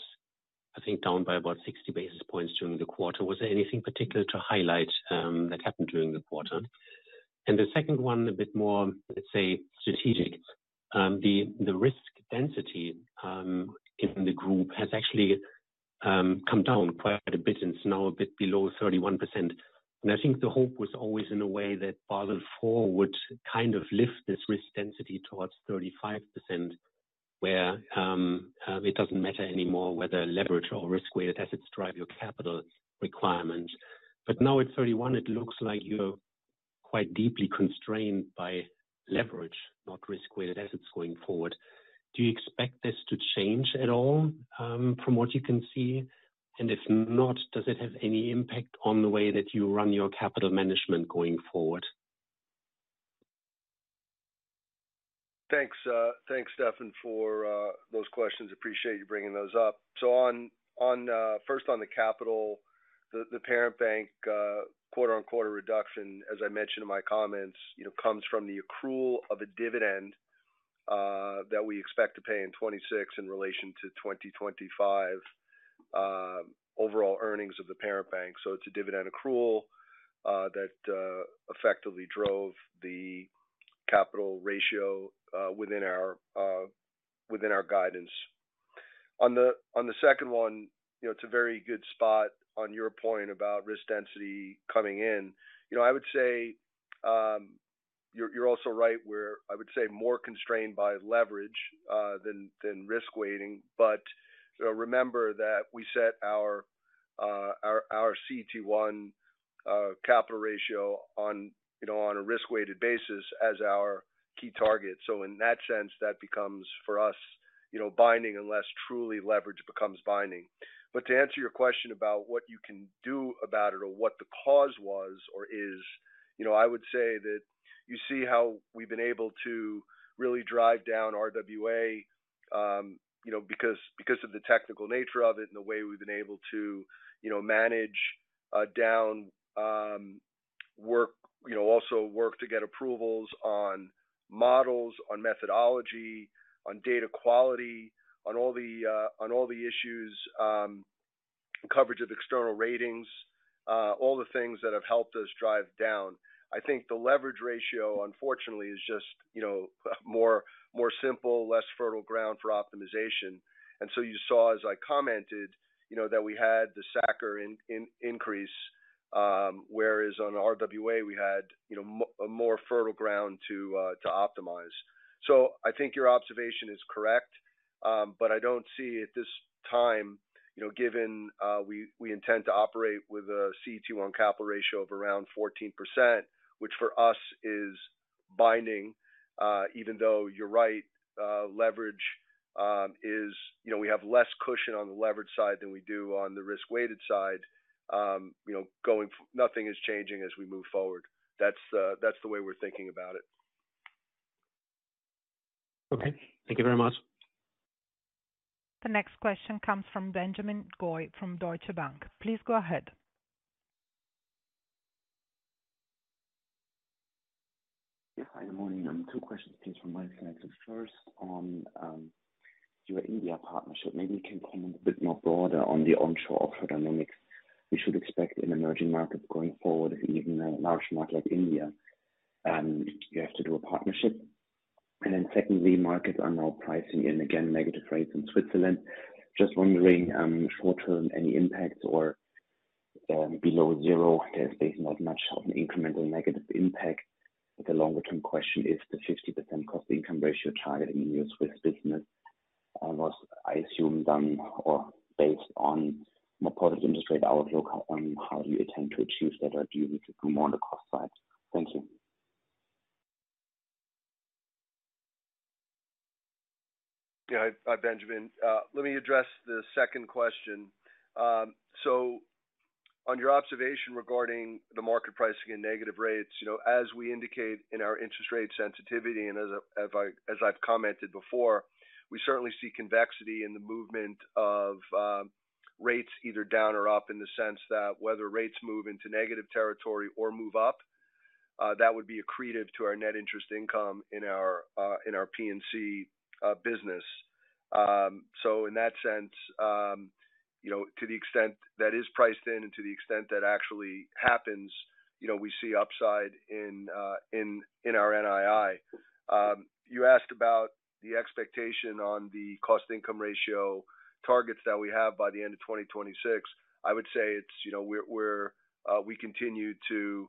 I think, down by about 60 basis points during the quarter. Was there anything particular to highlight that happened during the quarter? The second one, a bit more, let's say, strategic. The risk density in the group has actually come down quite a bit and is now a bit below 31%. I think the hope was always in a way that Basel IV would kind of lift this risk density towards 35%, where it does not matter anymore whether leverage or risk-weighted assets drive your capital requirements. Now at 31%, it looks like you are quite deeply constrained by leverage, not risk-weighted assets going forward. Do you expect this to change at all from what you can see? If not, does it have any impact on the way that you run your capital management going forward? Thanks, Stefan, for those questions. Appreciate you bringing those up. First, on the capital, the parent bank, quarter-on-quarter reduction, as I mentioned in my comments, comes from the accrual of a dividend that we expect to pay in 2026 in relation to 2025 overall earnings of the parent bank. It is a dividend accrual that effectively drove the capital ratio within our guidance. On the second one, it is a very good spot on your point about risk density coming in. I would say you are also right where I would say more constrained by leverage than risk-weighting. Remember that we set our CET1 capital ratio on a risk-weighted basis as our key target. In that sense, that becomes for us binding unless truly leverage becomes binding. To answer your question about what you can do about it or what the cause was or is, I would say that you see how we've been able to really drive down RWA because of the technical nature of it and the way we've been able to manage down work, also work to get approvals on models, on methodology, on data quality, on all the issues, coverage of external ratings, all the things that have helped us drive down. I think the leverage ratio, unfortunately, is just more simple, less fertile ground for optimization. You saw, as I commented, that we had the SACCR increase, whereas on RWA, we had more fertile ground to optimize. I think your observation is correct, but I do not see at this time, given we intend to operate with a CET1 capital ratio of around 14%, which for us is binding, even though you are right, leverage is we have less cushion on the leverage side than we do on the risk-weighted side. Nothing is changing as we move forward. That is the way we are thinking about it. Okay. Thank you very much. The next question comes from Benjamin Goy from Deutsche Bank. Please go ahead. Yes. Hi, good morning. Two questions, please, from my side. First, on your India partnership, maybe you can comment a bit more broader on the onshore offshore dynamics we should expect in emerging markets going forward, even a large market like India. You have to do a partnership. Secondly, markets are now pricing in, again, negative rates in Switzerland. Just wondering, short-term, any impacts or. Below zero, there's not much of an incremental negative impact. The longer-term question is the 50% cost-to-income ratio target in the new Swiss business, I assume, done or based on more positive interest rate outlook. How do you attempt to achieve that? Or do you need to do more on the cost side? Thank you. Yeah. Hi, Benjamin. Let me address the second question. On your observation regarding the market pricing and negative rates, as we indicate in our interest rate sensitivity, and as I've commented before, we certainly see convexity in the movement of rates either down or up in the sense that whether rates move into negative territory or move up, that would be accretive to our net interest income in our P&C business. In that sense, to the extent that is priced in and to the extent that actually happens, we see upside in our NII. You asked about the expectation on the cost-to-income ratio targets that we have by the end of 2026. I would say we continue to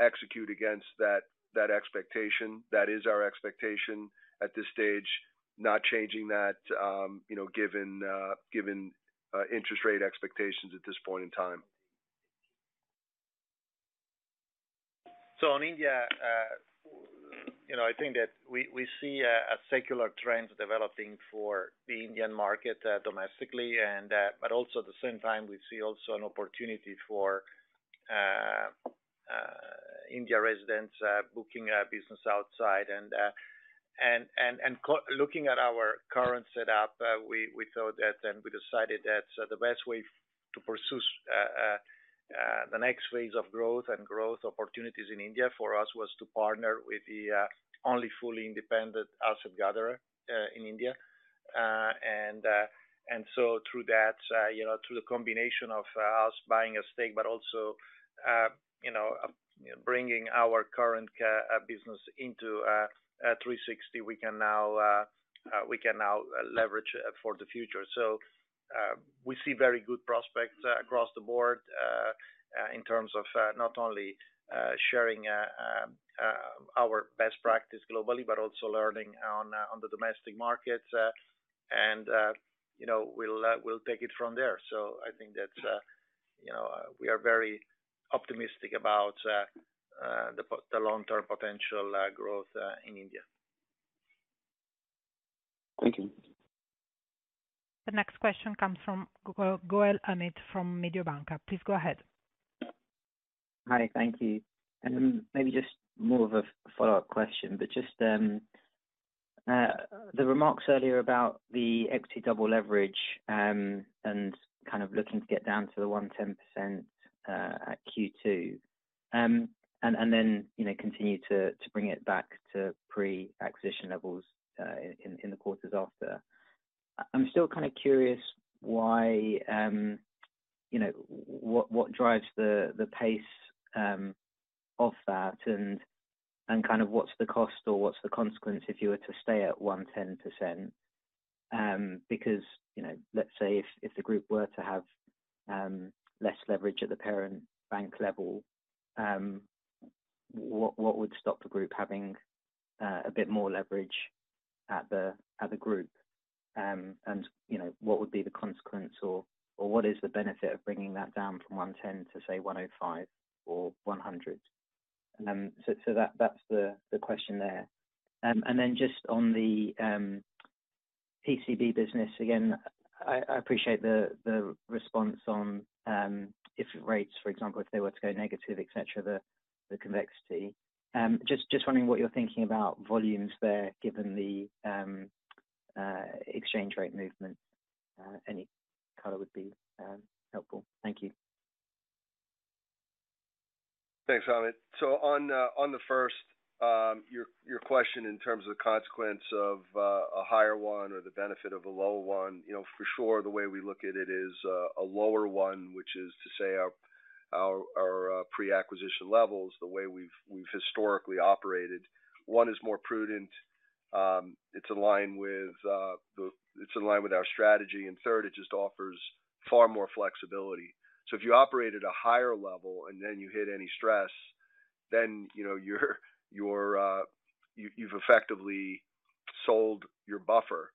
execute against that expectation. That is our expectation at this stage, not changing that given interest rate expectations at this point in time. On India, I think that we see a secular trend developing for the Indian market domestically, but also at the same time, we see also an opportunity for India residents booking business outside. Looking at our current setup, we thought that and we decided that the best way to pursue the next phase of growth and growth opportunities in India for us was to partner with the only fully independent asset gatherer in India. Through that, through the combination of us buying a stake, but also bringing our current business into 360, we can now leverage for the future. We see very good prospects across the board in terms of not only sharing our best practice globally, but also learning on the domestic markets. We'll take it from there. I think that we are very optimistic about the long-term potential growth in India. Thank you. The next question comes from Amit Goel from Mediobanca. Please go ahead. Hi. Thank you. Maybe just more of a follow-up question, but just the remarks earlier about the equity double leverage and kind of looking to get down to the 110% at Q2, and then continue to bring it back to pre-acquisition levels in the quarters after. I'm still kind of curious what drives the pace of that and kind of what's the cost or what's the consequence if you were to stay at 110%? Because let's say if the group were to have less leverage at the parent bank level, what would stop the group having a bit more leverage at the group? What would be the consequence or what is the benefit of bringing that down from 110% to, say, 105% or 100%? That's the question there. Just on the PCB business, again, I appreciate the response on if rates, for example, if they were to go negative, etc., the convexity. Just wondering what you're thinking about volumes there, given the exchange rate movement. Any color would be helpful. Thank you. Thanks, Amit. On the first, your question in terms of the consequence of a higher one or the benefit of a lower one, for sure, the way we look at it is a lower one, which is to say our pre-acquisition levels, the way we've historically operated, one is more prudent. It's in line with our strategy. Third, it just offers far more flexibility. If you operate at a higher level and then you hit any stress, then you've effectively sold your buffer.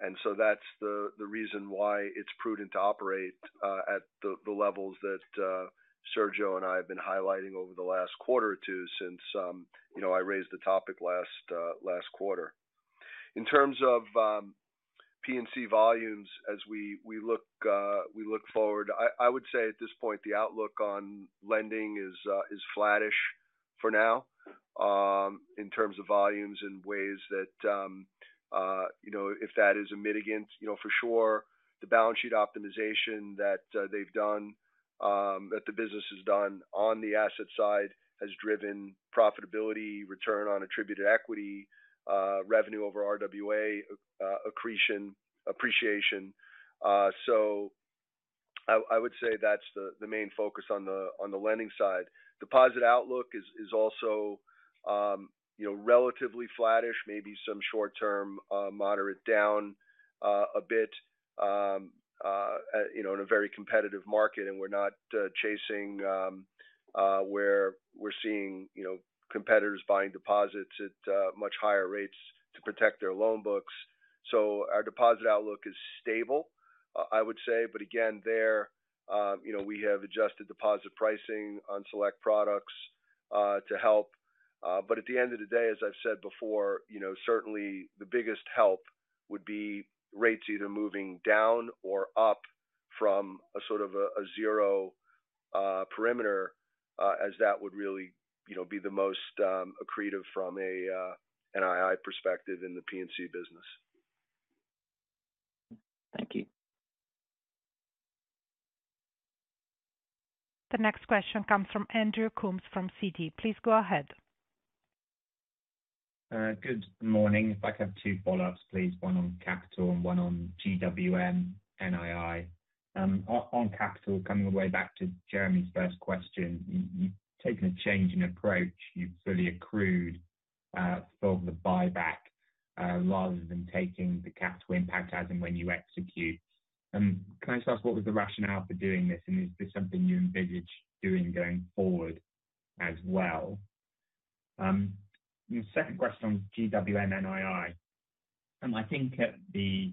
That's the reason why it's prudent to operate at the levels that Sergio and I have been highlighting over the last quarter or two since I raised the topic last quarter. In terms of P&C volumes, as we look forward, I would say at this point, the outlook on lending is flattish for now in terms of volumes in ways that if that is a mitigant, for sure, the balance sheet optimization that they've done, that the business has done on the asset side, has driven profitability, return on attributed equity, revenue over RWA appreciation. I would say that's the main focus on the lending side. Deposit outlook is also relatively flattish, maybe some short-term moderate down a bit in a very competitive market, and we're not chasing where we're seeing competitors buying deposits at much higher rates to protect their loan books. Our deposit outlook is stable, I would say. Again, there, we have adjusted deposit pricing on select products to help. But at the end of the day, as I've said before, certainly the biggest help would be rates either moving down or up from a sort of a zero perimeter, as that would really be the most accretive from an NII perspective in the P&C business. Thank you. The next question comes from Andrew Coombs from Citi. Please go ahead. Good morning. If I could have two follow-ups, please, one on capital and one on GWM NII. On capital, coming all the way back to Jeremy's first question, you've taken a change in approach. You've fully accrued for the buyback rather than taking the capital impact as and when you execute. Can I just ask what was the rationale for doing this? Is this something you envisage doing going forward as well? The second question on GWM NII, I think at the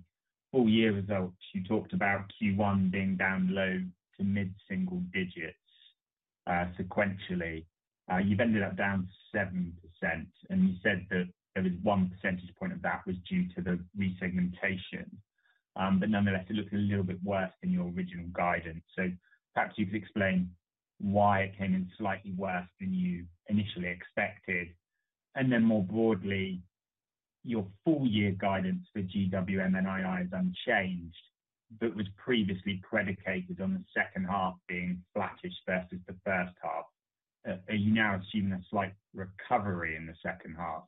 full year results, you talked about Q1 being down low to mid-single digits sequentially. You've ended up down 7%. You said that one percentage point of that was due to the resegmentation. Nonetheless, it looked a little bit worse than your original guidance. Perhaps you could explain why it came in slightly worse than you initially expected. More broadly, your full-year guidance for GWM NII is unchanged, but was previously predicated on the second half being flattish versus the first half. Are you now assuming a slight recovery in the second half?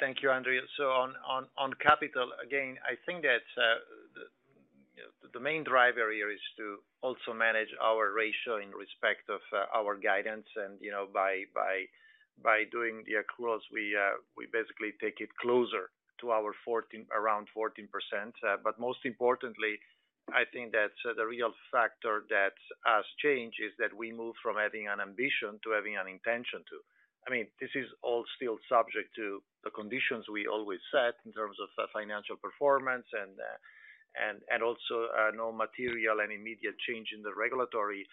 Thank you, Andrew. On capital, again, I think that the main driver here is to also manage our ratio in respect of our guidance. By doing the accruals, we basically take it closer to our around 14%. Most importantly, I think that the real factor that has changed is that we moved from having an ambition to having an intention to. I mean, this is all still subject to the conditions we always set in terms of financial performance and also no material and immediate change in the regulatory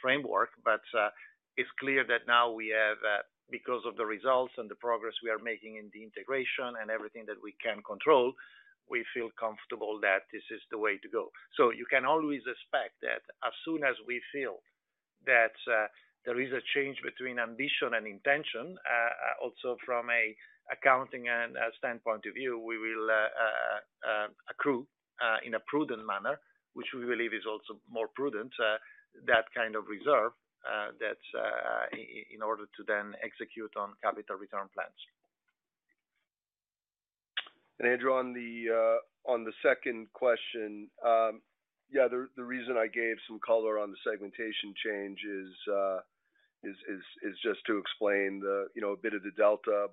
framework. It is clear that now we have, because of the results and the progress we are making in the integration and everything that we can control, we feel comfortable that this is the way to go. You can always expect that as soon as we feel that there is a change between ambition and intention, also from an accounting standpoint of view, we will accrue in a prudent manner, which we believe is also more prudent, that kind of reserve in order to then execute on capital return plans. Andrew, on the second question, yeah, the reason I gave some color on the segmentation change is just to explain a bit of the delta.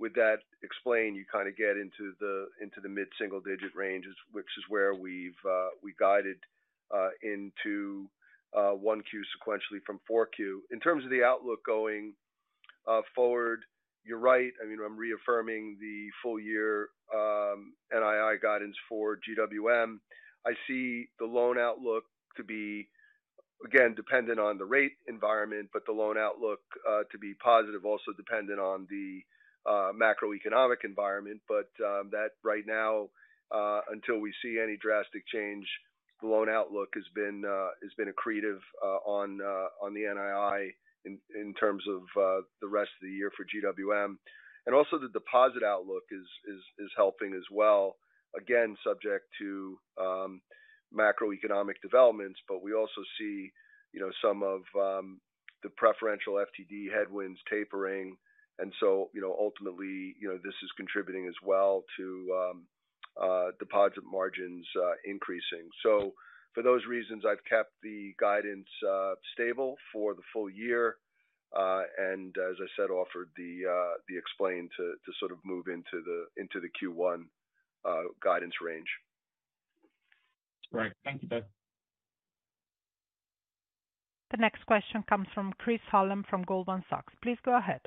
With that explained, you kind of get into the mid-single digit ranges, which is where we've guided into 1Q sequentially from 4Q. In terms of the outlook going forward, you're right. I mean, I'm reaffirming the full-year NII guidance for GWM. I see the loan outlook to be, again, dependent on the rate environment, but the loan outlook to be positive, also dependent on the macroeconomic environment. That right now, until we see any drastic change, the loan outlook has been accretive on the NII in terms of the rest of the year for GWM. Also the deposit outlook is helping as well, again, subject to macroeconomic developments. We also see some of the preferential FTD headwinds tapering. Ultimately, this is contributing as well to deposit margins increasing. For those reasons, I've kept the guidance stable for the full year. As I said, offered the explain to sort of move into the Q1 guidance range. Right. Thank you, Sergio. The next question comes from Chris Hallam from Goldman Sachs. Please go ahead.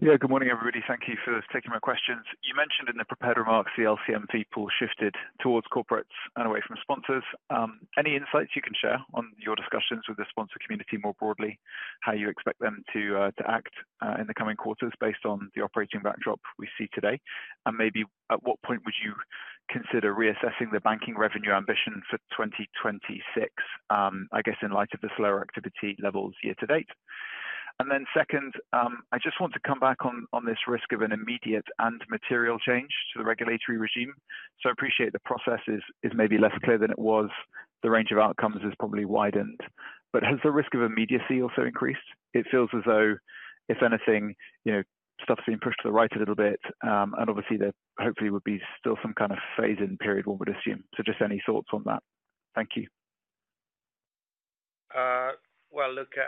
Yeah. Good morning, everybody. Thank you for taking my questions. You mentioned in the prepared remarks, the LCM pool shifted towards corporates and away from sponsors. Any insights you can share on your discussions with the sponsor community more broadly, how you expect them to act in the coming quarters based on the operating backdrop we see today? Maybe at what point would you consider reassessing the banking revenue ambition for 2026, I guess, in light of the slower activity levels year-to-date? I just want to come back on this risk of an immediate and material change to the regulatory regime. I appreciate the process is maybe less clear than it was. The range of outcomes has probably widened. Has the risk of immediacy also increased? It feels as though, if anything, stuff's been pushed to the right a little bit. Obviously, there hopefully would be still some kind of phase-in period, one would assume. Just any thoughts on that? Thank you.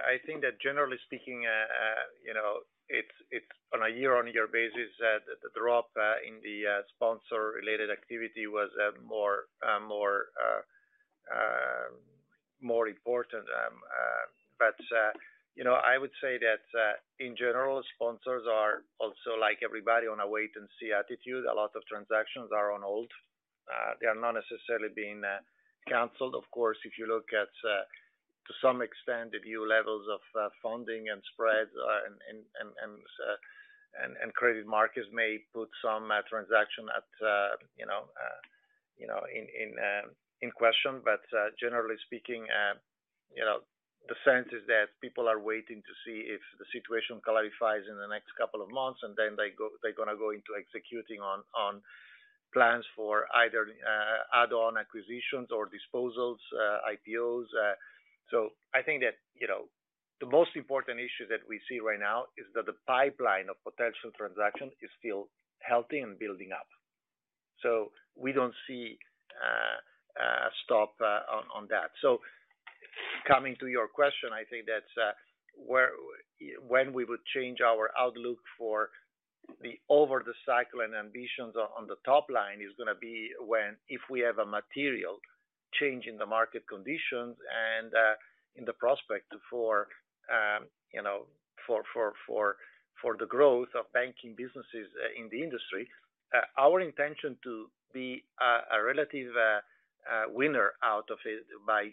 I think that generally speaking, on a year-on-year basis, the drop in the sponsor-related activity was more important. I would say that in general, sponsors are also like everybody on a wait-and-see attitude. A lot of transactions are on hold. They are not necessarily being canceled. Of course, if you look at, to some extent, the new levels of funding and spreads and credit markets may put some transaction in question. Generally speaking, the sense is that people are waiting to see if the situation clarifies in the next couple of months, and then they're going to go into executing on plans for either add-on acquisitions or disposals, IPOs. I think that the most important issue that we see right now is that the pipeline of potential transaction is still healthy and building up. We do not see a stop on that. Coming to your question, I think that when we would change our outlook for the over-the-cycle and ambitions on the top line is going to be when if we have a material change in the market conditions and in the prospect for the growth of banking businesses in the industry, our intention to be a relative winner out of it by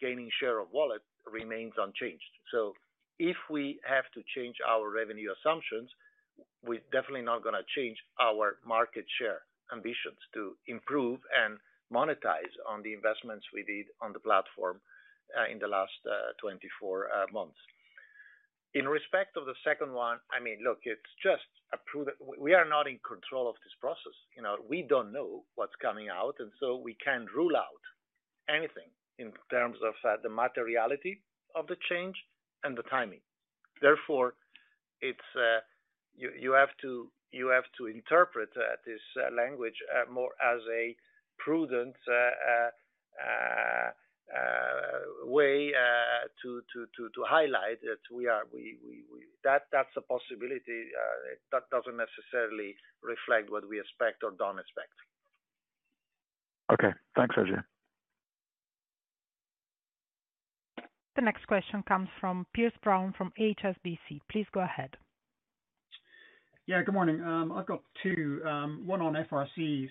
gaining share of wallet remains unchanged. If we have to change our revenue assumptions, we're definitely not going to change our market share ambitions to improve and monetize on the investments we did on the platform in the last 24 months. In respect of the second one, I mean, look, it's just we are not in control of this process. We don't know what's coming out. We can't rule out anything in terms of the materiality of the change and the timing. Therefore, you have to interpret this language more as a prudent way to highlight that we are that's a possibility. That doesn't necessarily reflect what we expect or don't expect. Okay. Thanks, Sergio. The next question comes from Piers Brown from HSBC. Please go ahead. Yeah. Good morning. I've got two. One on FRC.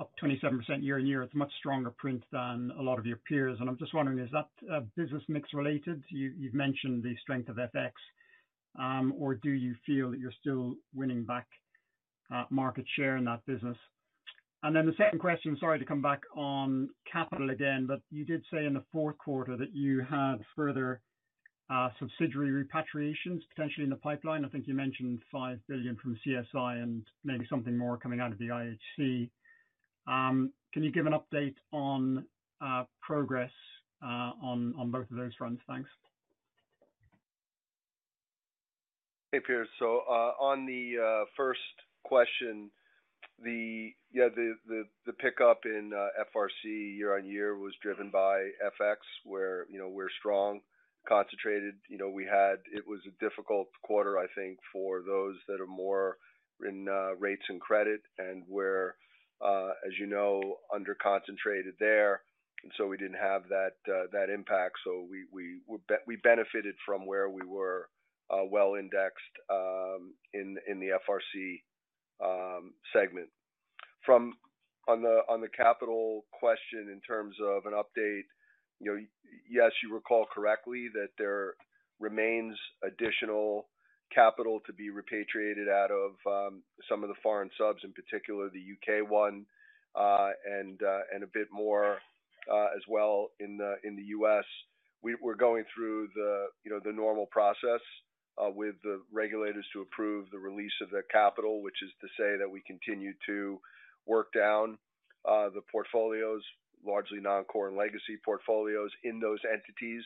Up 27% year-on-year. It's a much stronger print than a lot of your peers. I'm just wondering, is that business mix related? You've mentioned the strength of FX. Or do you feel that you're still winning back market share in that business? The second question, sorry to come back on capital again, but you did say in the fourth quarter that you had further subsidiary repatriations potentially in the pipeline. I think you mentioned $5 billion from CSI and maybe something more coming out of the IHC. Can you give an update on progress on both of those fronts? Thanks. Hey, Piers. On the first question, yeah, the pickup in FRC year-on-year was driven by FX, where we're strong, concentrated. It was a difficult quarter, I think, for those that are more in rates and credit and where, as you know, under-concentrated there. We didn't have that impact. We benefited from where we were well-indexed in the FRC segment. On the capital question in terms of an update, yes, you recall correctly that there remains additional capital to be repatriated out of some of the foreign subs, in particular, the U.K. one and a bit more as well in the U.S. We're going through the normal process with the regulators to approve the release of their capital, which is to say that we continue to work down the portfolios, largely non-core and legacy portfolios in those entities.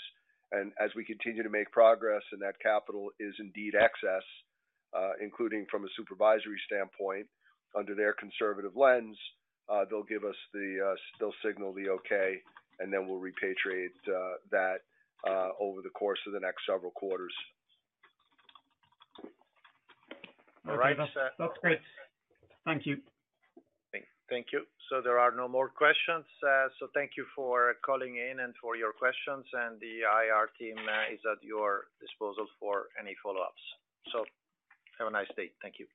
As we continue to make progress and that capital is indeed excess, including from a supervisory standpoint, under their conservative lens, they'll signal the okay, and then we'll repatriate that over the course of the next several quarters. All right. That's great. Thank you. Thank you. There are no more questions. Thank you for calling in and for your questions. The IR team is at your disposal for any follow-ups. Have a nice day. Thank you.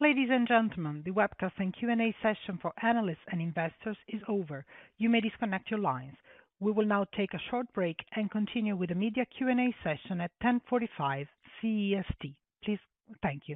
Ladies and gentlemen, the webcast and Q&A session for analysts and investors is over. You may disconnect your lines. We will now take a short break and continue with the media Q&A session at 10:45 A.M. CEST. Please, thank you.